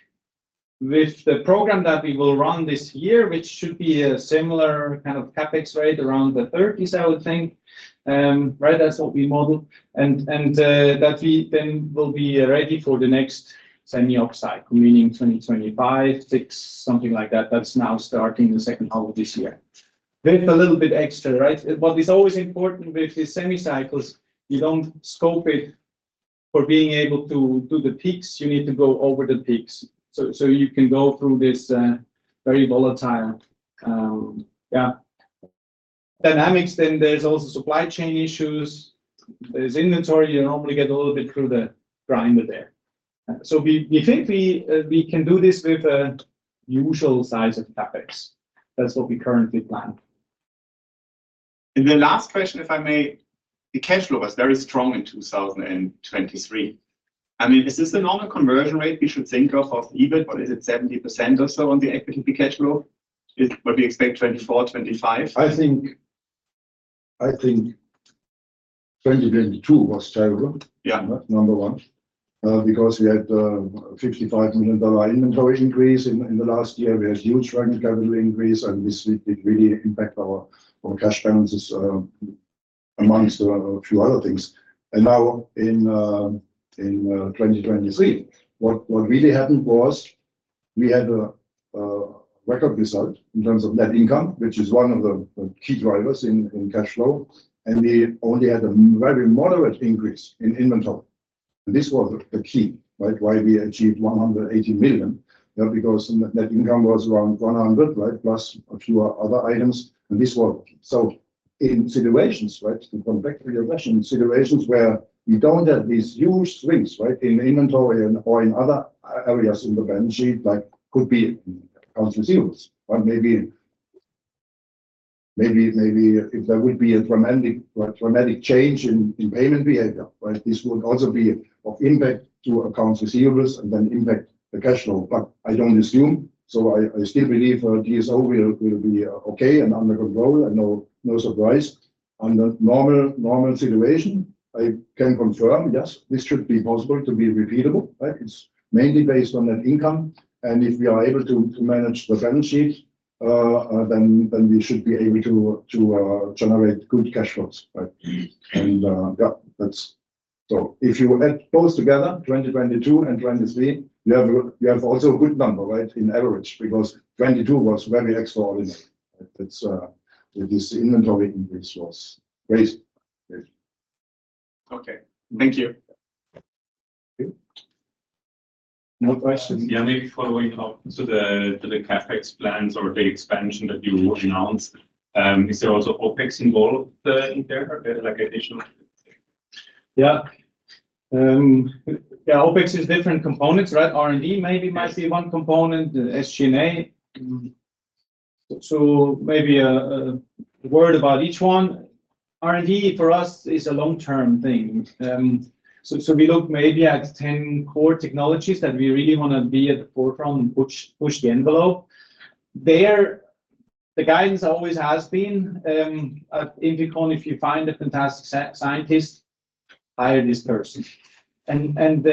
with the program that we will run this year, which should be a similar kind of CapEx rate around the 30s, I would think, right, that's what we modeled, and, and, that we then will be ready for the next semi-up cycle, meaning 2025, 2026, something like that. That's now starting the second half of this year. With a little bit extra, right? But it's always important with the semi cycles, you don't scope it for being able to do the peaks, you need to go over the peaks. So, so you can go through this, very volatile, yeah, dynamics. Then there's also supply chain issues. There's inventory, you normally get a little bit through the grinder there. So we think we can do this with a usual size of CapEx. That's what we currently plan. The last question, if I may. The cash flow was very strong in 2023. I mean, is this the normal conversion rate we should think of, of EBIT, or is it 70% or so on the equity cash flow? Is what we expect 2024, 2025? I think, I think 2022 was terrible. Yeah. Number one, because we had $55 million inventory increase in the last year. We had huge working capital increase, and this it really impact our cash balances, among a few other things. And now in 2023, what really happened was we had a record result in terms of net income, which is one of the key drivers in cash flow, and we only had a very moderate increase in inventory. This was the key, right? Why we achieved $180 million, because net income was around $100 million, right? Plus a few other items, and this worked. So in situations, right, to come back to your question, in situations where you don't have these huge swings, right, in inventory and or in other areas in the balance sheet, like could be accounts receivables, or maybe if there would be a dramatic change in payment behavior, right?d This would also be of impact to accounts receivables and then impact the cash flow, but I don't assume. So I still believe DSO will be okay and under control, and no surprise. Under normal situation, I can confirm, yes, this should be possible to be repeatable, right? It's mainly based on that income, and if we are able to manage the balance sheet, then we should be able to generate good cash flows, right? And yeah, that's... So if you add both together, 2022 and 2023, you have a, you have also a good number, right, in average, because 2022 was very extraordinary. It's, this inventory increase was crazy. Okay. Thank you. Thank you. No questions? Yeah, maybe following up to the CapEx plans or the expansion that you announced. Is there also OpEx involved in there, like additional? Yeah. Yeah, OpEx is different components, right? R&D maybe might be one component, SG&A. So maybe a word about each one. R&D for us is a long-term thing. So we look maybe at 10 core technologies that we really want to be at the forefront, push, push the envelope. There, the guidance always has been, at INFICON, if you find a fantastic scientist, hire this person. And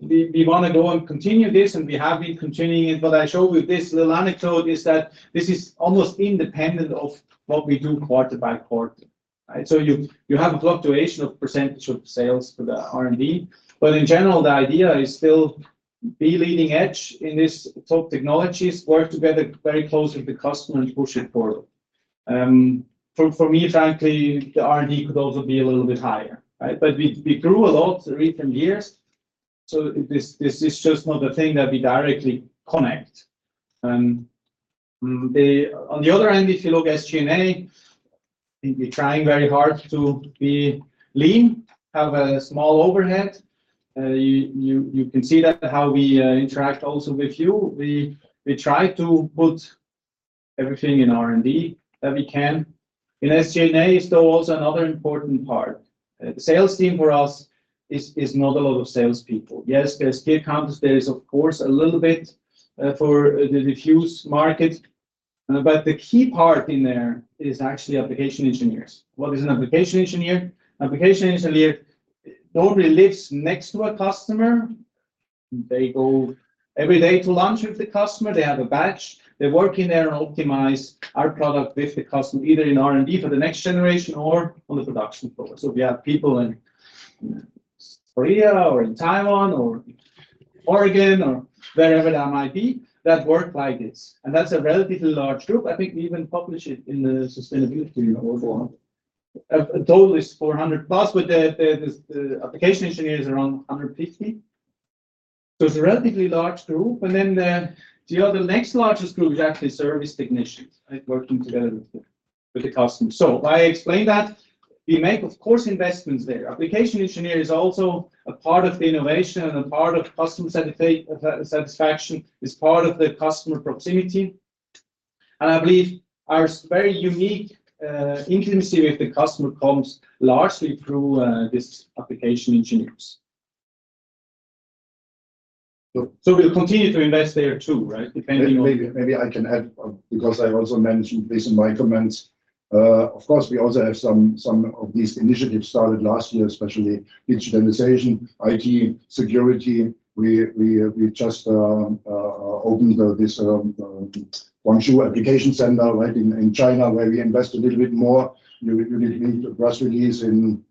we want to go and continue this, and we have been continuing it. But I show you this little anecdote is that this is almost independent of what we do quarter by quarter, right? So you have a fluctuation of percentage of sales for the R&D, but in general, the idea is still be leading edge in this top technologies, work together very closely with the customer, and push it forward. For me, frankly, the R&D could also be a little bit higher, right? But we grew a lot in recent years, so this is just not a thing that we directly connect. On the other hand, if you look at SG&A, we're trying very hard to be lean, have a small overhead. You can see that how we interact also with you. We try to put everything in R&D that we can. In SG&A is though also another important part. Sales team for us is not a lot of salespeople. Yes, there's key accounts, there is, of course, a little bit for the diffuse market, but the key part in there is actually application engineers. What is an application engineer? Application engineer normally lives next to a customer. They go every day to lunch with the customer. They have a batch. They work in there and optimize our product with the customer, either in R&D for the next generation or on the production floor. So we have people in Korea or in Taiwan or Oregon or wherever that might be, that work like this. And that's a relatively large group. I think we even publish it in the sustainability report. A total is 400+, with the application engineers around 150. So it's a relatively large group. And then, the other next largest group is actually service technicians, right, working together with the customer. So I explained that. We make, of course, investments there. Application engineer is also a part of innovation and a part of customer satisfaction, is part of the customer proximity. I believe our very unique intimacy with the customer comes largely through this application engineers. So we'll continue to invest there, too, right? Depending on- Maybe I can add, because I also mentioned this in my comments. Of course, we also have some of these initiatives started last year, especially digitalization, IT, security. We just opened this Guangzhou Application Center, right in China, where we invest a little bit more into press release in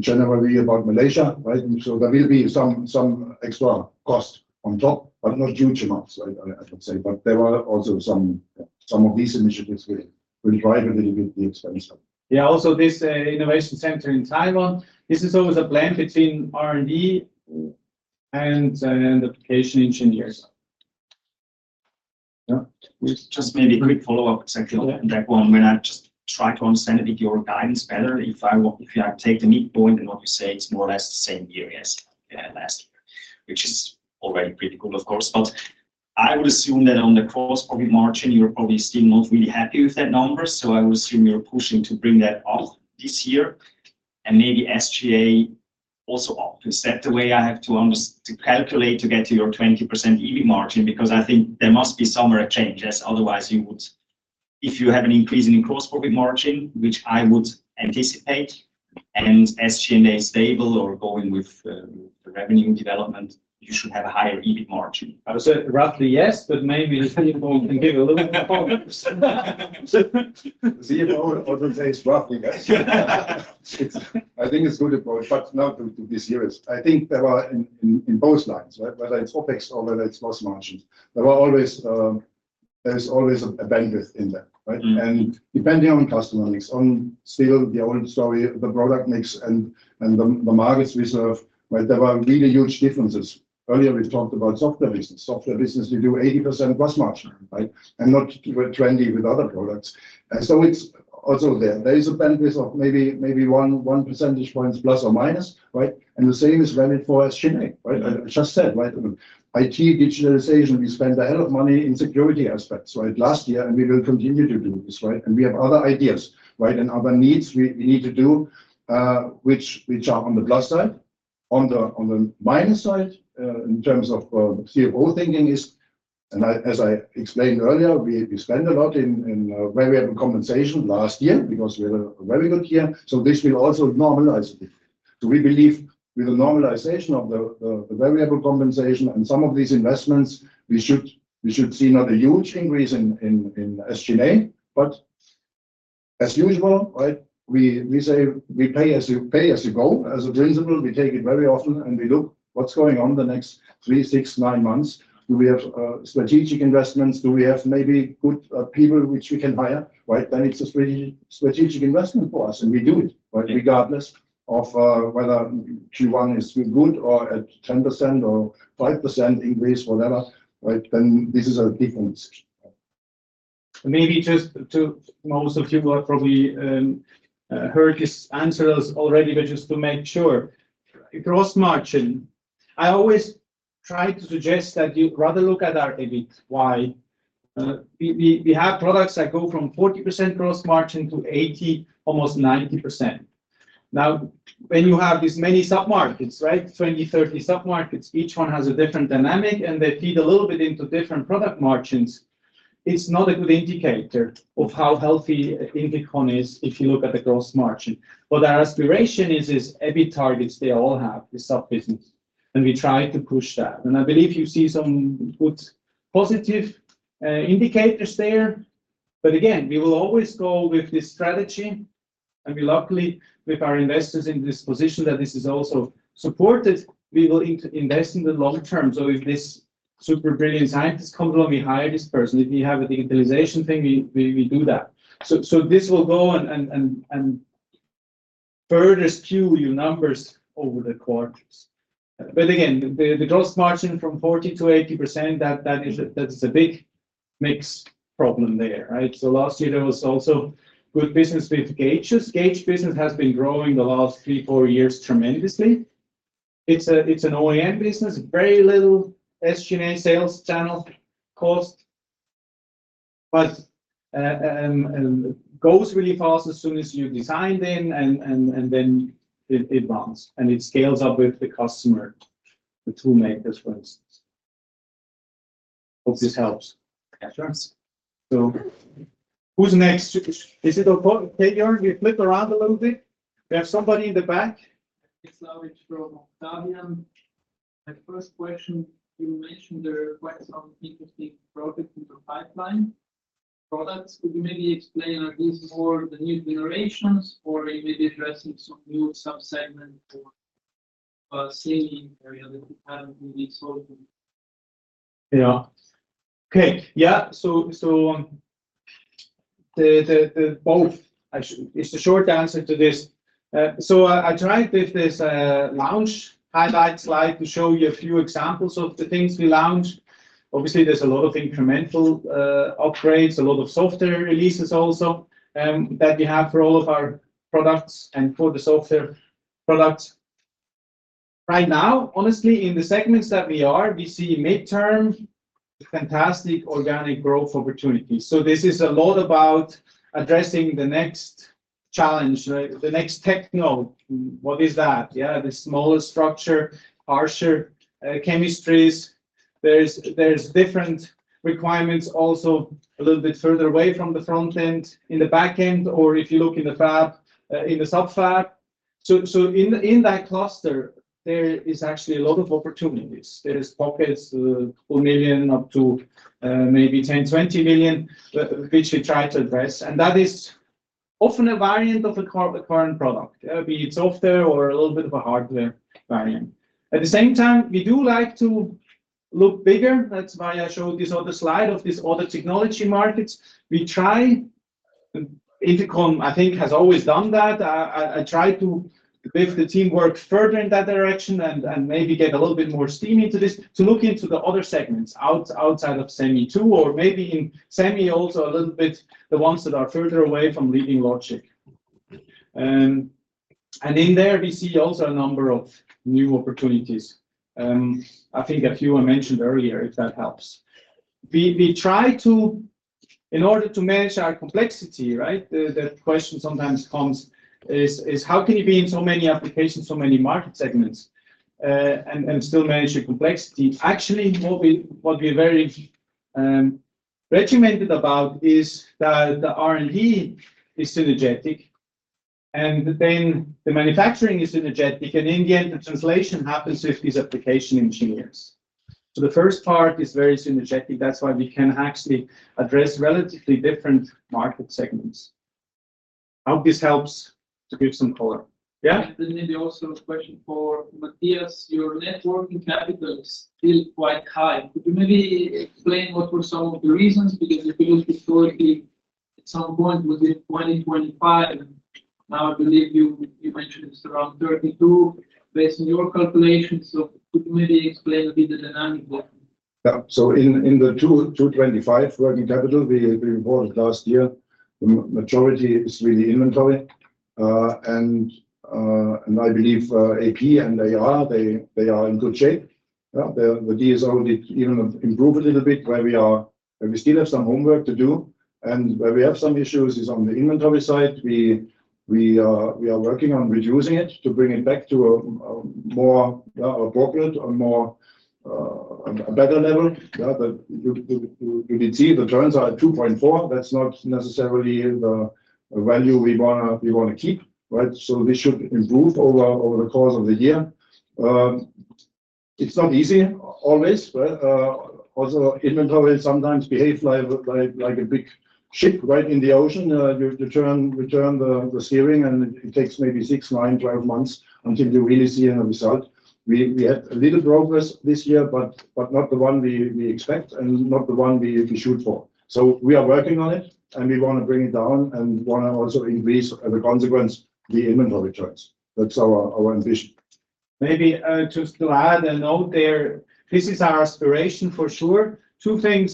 generally about Malaysia, right? So there will be some extra cost on top, but not huge amounts, I would say. But there are also some of these initiatives will drive a little bit the expense up. Yeah, also this innovation center in Taiwan, this is always a blend between R&D and application engineers. Yeah. Just maybe a quick follow-up actually on that one. When I just try to understand it with your guidance better, if I, if I take the midpoint and what you say, it's more or less the same year as last year, which is already pretty good, of course. But I would assume that on the gross profit margin, you're probably still not really happy with that number, so I would assume you're pushing to bring that up this year, and maybe SG&A also up. Is that the way I have to understand to calculate to get to your 20% EBIT margin? Because I think there must be some changes, otherwise you would... If you have an increase in your gross profit margin, which I would anticipate, and SG&A stable or going with the revenue development, you should have a higher EBIT margin. I would say roughly, yes, but maybe CFO can give a little more. CFO also says roughly, guys. I think it's good approach, but not to be serious. I think there are in both lines, right? Whether it's OpEx or whether it's gross margins, there are always, there's always a bandwidth in that, right? Mm. Depending on customer mix, on still the old story, the product mix and the markets we serve, right, there are really huge differences. Earlier, we talked about software business. Software business, we do 80% gross margin, right? And not trendy with other products. And so it's also there. There is a bandwidth of maybe ±1 percentage point, right? And the same is valid for SG&A, right? I just said, right, IT, digitalization, we spend a hell of money in security aspects, right? Last year, and we will continue to do this, right? And we have other ideas, right, and other needs we need to do, which are on the plus side. On the minus side, in terms of CFO thinking is, and I, as I explained earlier, we spend a lot in variable compensation last year because we had a very good year, so this will also normalize. Do we believe with the normalization of the variable compensation and some of these investments, we should see not a huge increase in SG&A, but as usual, right, we say we pay as you go. As a principle, we take it very often, and we look what's going on the next 3, 6, 9 months. Do we have strategic investments? Do we have maybe good people which we can hire, right? Then it's a really strategic investment for us, and we do it, right? Regardless of whether Q1 is good or at 10% or 5% increase, whatever, right, then this is a different decision. Maybe just to, most of you have probably heard these answers already, but just to make sure. Gross margin, I always try to suggest that you'd rather look at our EBIT, why? We have products that go from 40% gross margin to 80%, almost 90%. Now, when you have this many submarkets, right, 20-30 submarkets, each one has a different dynamic, and they feed a little bit into different product margins. It's not a good indicator of how healthy INFICON is if you look at the gross margin. But our aspiration is EBIT targets they all have, the sub business, and we try to push that. And I believe you see some good positive indicators there. But again, we will always go with this strategy, and we luckily, with our investors in this position, that this is also supported, we will invest in the long term. So if this super brilliant scientist comes along, we hire this person. If we have a digitalization thing, we do that. So this will go and further skew your numbers over the quarters. But again, the gross margin from 40%-80%, that is a big mix problem there, right? So last year, there was also good business with gauges. Gauge business has been growing the last 3-4 years tremendously. It's an OEM business, very little SG&A sales channel cost, but goes really fast as soon as you design in and then it runs, and it scales up with the customer, the tool makers, for instance. Hope this helps. Yeah, sure. So who's next? Is it okay, Jürgen, we flip around a little bit. We have somebody in the back. From Octavian. My first question, you mentioned there are quite some interesting products in the pipeline. Products, could you maybe explain a little more the new generations or maybe addressing some new sub-segments or same area that we haven't really solved? Yeah. Okay. Yeah, so, so, the both, actually, is the short answer to this. So I tried with this launch highlight slide to show you a few examples of the things we launched. Obviously, there's a lot of incremental upgrades, a lot of software releases also that we have for all of our products and for the software products. Right now, honestly, in the segments that we are, we see midterm fantastic organic growth opportunities. So this is a lot about addressing the next challenge, right? The next techno, what is that? Yeah, the smallest structure, harsher chemistries. There's different requirements also a little bit further away from the front end, in the back end, or if you look in the fab, in the sub-fab. So in that cluster-... there is actually a lot of opportunities. There are pockets $4 million up to maybe $10-$20 million, which we try to address, and that is often a variant of a current, current product, be it software or a little bit of a hardware variant. At the same time, we do like to look bigger. That's why I showed this other slide of this other technology markets. We try, INFICON, I think, has always done that. I, I, I try to move the team forward in that direction and maybe get a little bit more steam into this, to look into the other segments outside of semi, too, or maybe in semi also a little bit, the ones that are further away from leading logic. And in there we see also a number of new opportunities, I think a few I mentioned earlier, if that helps. We try to, in order to manage our complexity, right? The question sometimes comes is how can you be in so many applications, so many market segments, and still manage your complexity? Actually, what we're very regimented about is that the R&D is synergetic, and then the manufacturing is synergetic, and in the end, the translation happens with these application engineers. So the first part is very synergetic. That's why we can actually address relatively different market segments. I hope this helps to give some color. Yeah? Then maybe also a question for Matthias. Your net working capital is still quite high. Could you maybe explain what were some of the reasons? Because you used to be at some point within 25, now I believe you mentioned it's around 32, based on your calculations. So could you maybe explain a bit the dynamic there? Yeah. So in the 2025 working capital we reported last year, the majority is really inventory. And I believe AP and AR they are in good shape. Yeah, the DSO has only even improved a little bit, where we are we still have some homework to do, and where we have some issues is on the inventory side. We are working on reducing it to bring it back to a more appropriate, a more better level. Yeah, but you can see the turns are at 2.4. That's not necessarily the value we wanna keep, right? So this should improve over the course of the year. It's not easy always, but also inventory sometimes behave like a big ship, right, in the ocean. You turn the steering, and it takes maybe 6, 9, 12 months until you really see any result. We had a little progress this year, but not the one we expect, and not the one we shoot for. So we are working on it, and we want to bring it down and wanna also increase, as a consequence, the inventory returns. That's our ambition. Maybe, just to add a note there, this is our aspiration for sure. Two things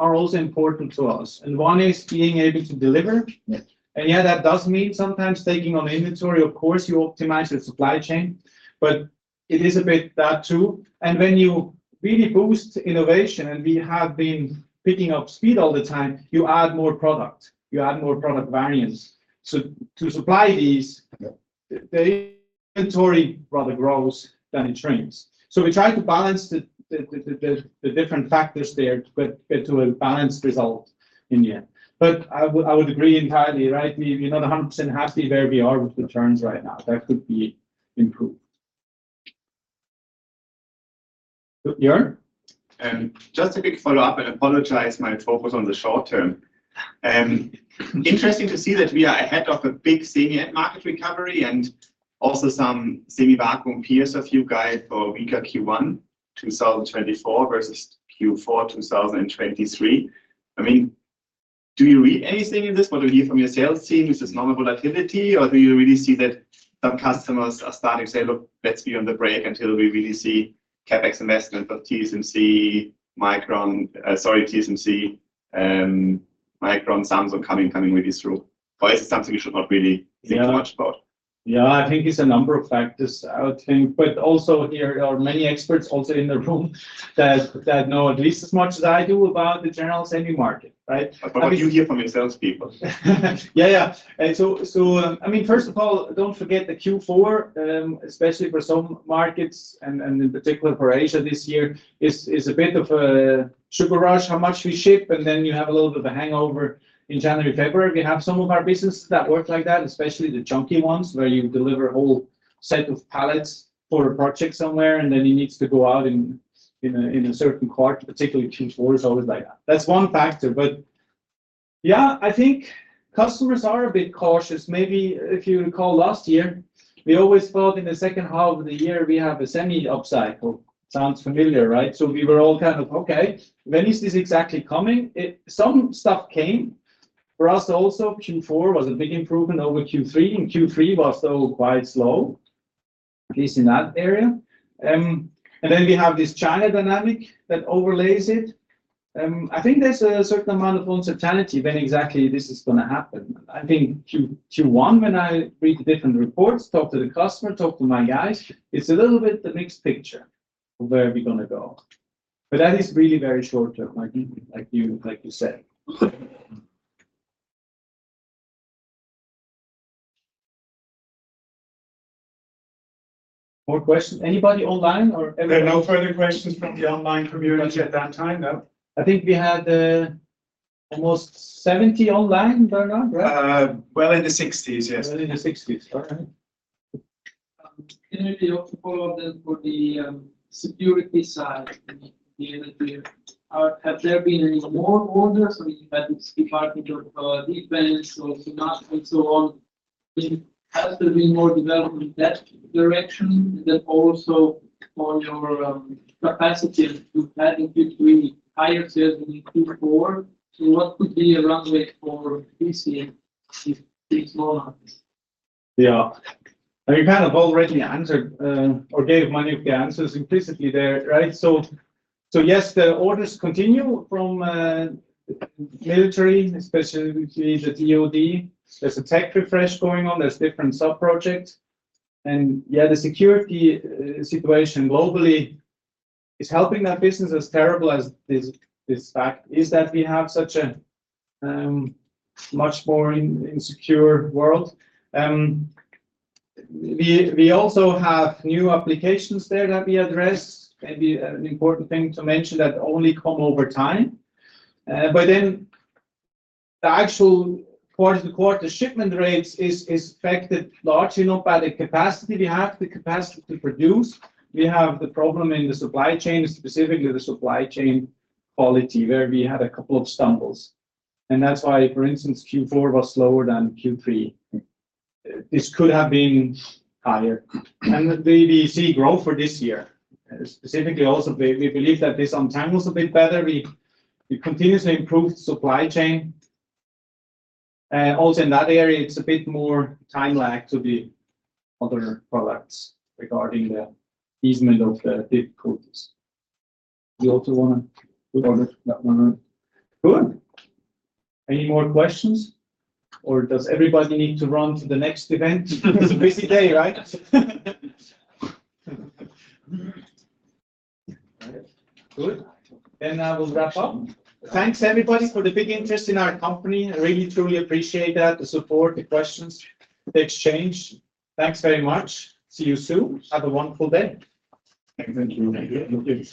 are also important to us, and one is being able to deliver. Yes. Yeah, that does mean sometimes taking on inventory. Of course, you optimize the supply chain, but it is a bit that, too. And when you really boost innovation, and we have been picking up speed all the time, you add more product, you add more product variance. So to supply these- Yeah... the inventory rather grows than it shrinks. So we try to balance the different factors there, but to a balanced result in the end. But I would agree entirely, right? We're not 100% happy where we are with the terms right now. That could be improved. Björn? Just a quick follow-up, and apologize my focus on the short term. Interesting to see that we are ahead of a big semi-end market recovery and also some semi-vacuum peers of you guide for weaker Q1 2024 versus Q4 2023. I mean, do you read anything in this, what do you hear from your sales team? Is this normal volatility, or do you really see that some customers are starting to say, "Look, let's be on the break until we really see CapEx investment of TSMC, Micron, TSMC, Micron sounds are coming, coming with this through?" Or is it something you should not really think much about? Yeah, I think it's a number of factors, I would think. But also, there are many experts also in the room that know at least as much as I do about the general semi market, right? But what do you hear from your salespeople? Yeah, yeah. And so, so, I mean, first of all, don't forget the Q4, especially for some markets, and, and in particular for Asia this year, is, is a bit of a sugar rush, how much we ship, and then you have a little bit of a hangover in January, February. We have some of our business that work like that, especially the chunky ones, where you deliver a whole set of pallets for a project somewhere, and then it needs to go out in a, in a certain quarter, particularly Q4 is always like that. That's one factor, but yeah, I think customers are a bit cautious. Maybe if you recall last year, we always thought in the second half of the year we have a semi upcycle. Sounds familiar, right? So we were all kind of, "Okay, when is this exactly coming?" It some stuff came. For us also, Q4 was a big improvement over Q3, and Q3 was still quite slow, at least in that area. And then we have this China dynamic that overlays it. I think there's a certain amount of uncertainty when exactly this is gonna happen. I think Q1, when I read the different reports, talk to the customer, talk to my guys, it's a little bit the mixed picture of where we're gonna go. But that is really very short term, like you, like you, like you said. More questions? Anybody online or- There are no further questions from the online community at that time, no. I think we had almost 70 online right now, right? Well, in the 60s, yes. Well, in the 60s. Okay. Can you talk a little bit for the security side? Have there been any more orders from the United States Department of Defense or so on? Has there been more development in that direction, and then also on your capacity to adding between higher sales in Q4? So what could be a runway for this year, these four months? Yeah, and you kind of already answered, or gave many of the answers implicitly there, right? So, so yes, the orders continue from, military, especially the DOD. There's a tech refresh going on. There's different sub-projects, and yeah, the security situation globally is helping that business, as terrible as this, this fact is that we have such a, much more insecure world. We, we also have new applications there that we address. Maybe an important thing to mention that only come over time. But then the actual quarter to quarter shipment rates is affected largely not by the capacity we have, the capacity to produce. We have the problem in the supply chain, specifically the supply chain quality, where we had a couple of stumbles, and that's why, for instance, Q4 was slower than Q3. This could have been higher. We see growth for this year. Specifically, also, we believe that this on time was a bit better. We continuously improved supply chain, and also in that area, it's a bit more time lag to the other products regarding the easement of the difficulties. You also want to...? Good. Any more questions, or does everybody need to run to the next event? It's a busy day, right? Good. Then I will wrap up. Thanks, everybody, for the big interest in our company. I really, truly appreciate that, the support, the questions, the exchange. Thanks very much. See you soon. Have a wonderful day. Thank you.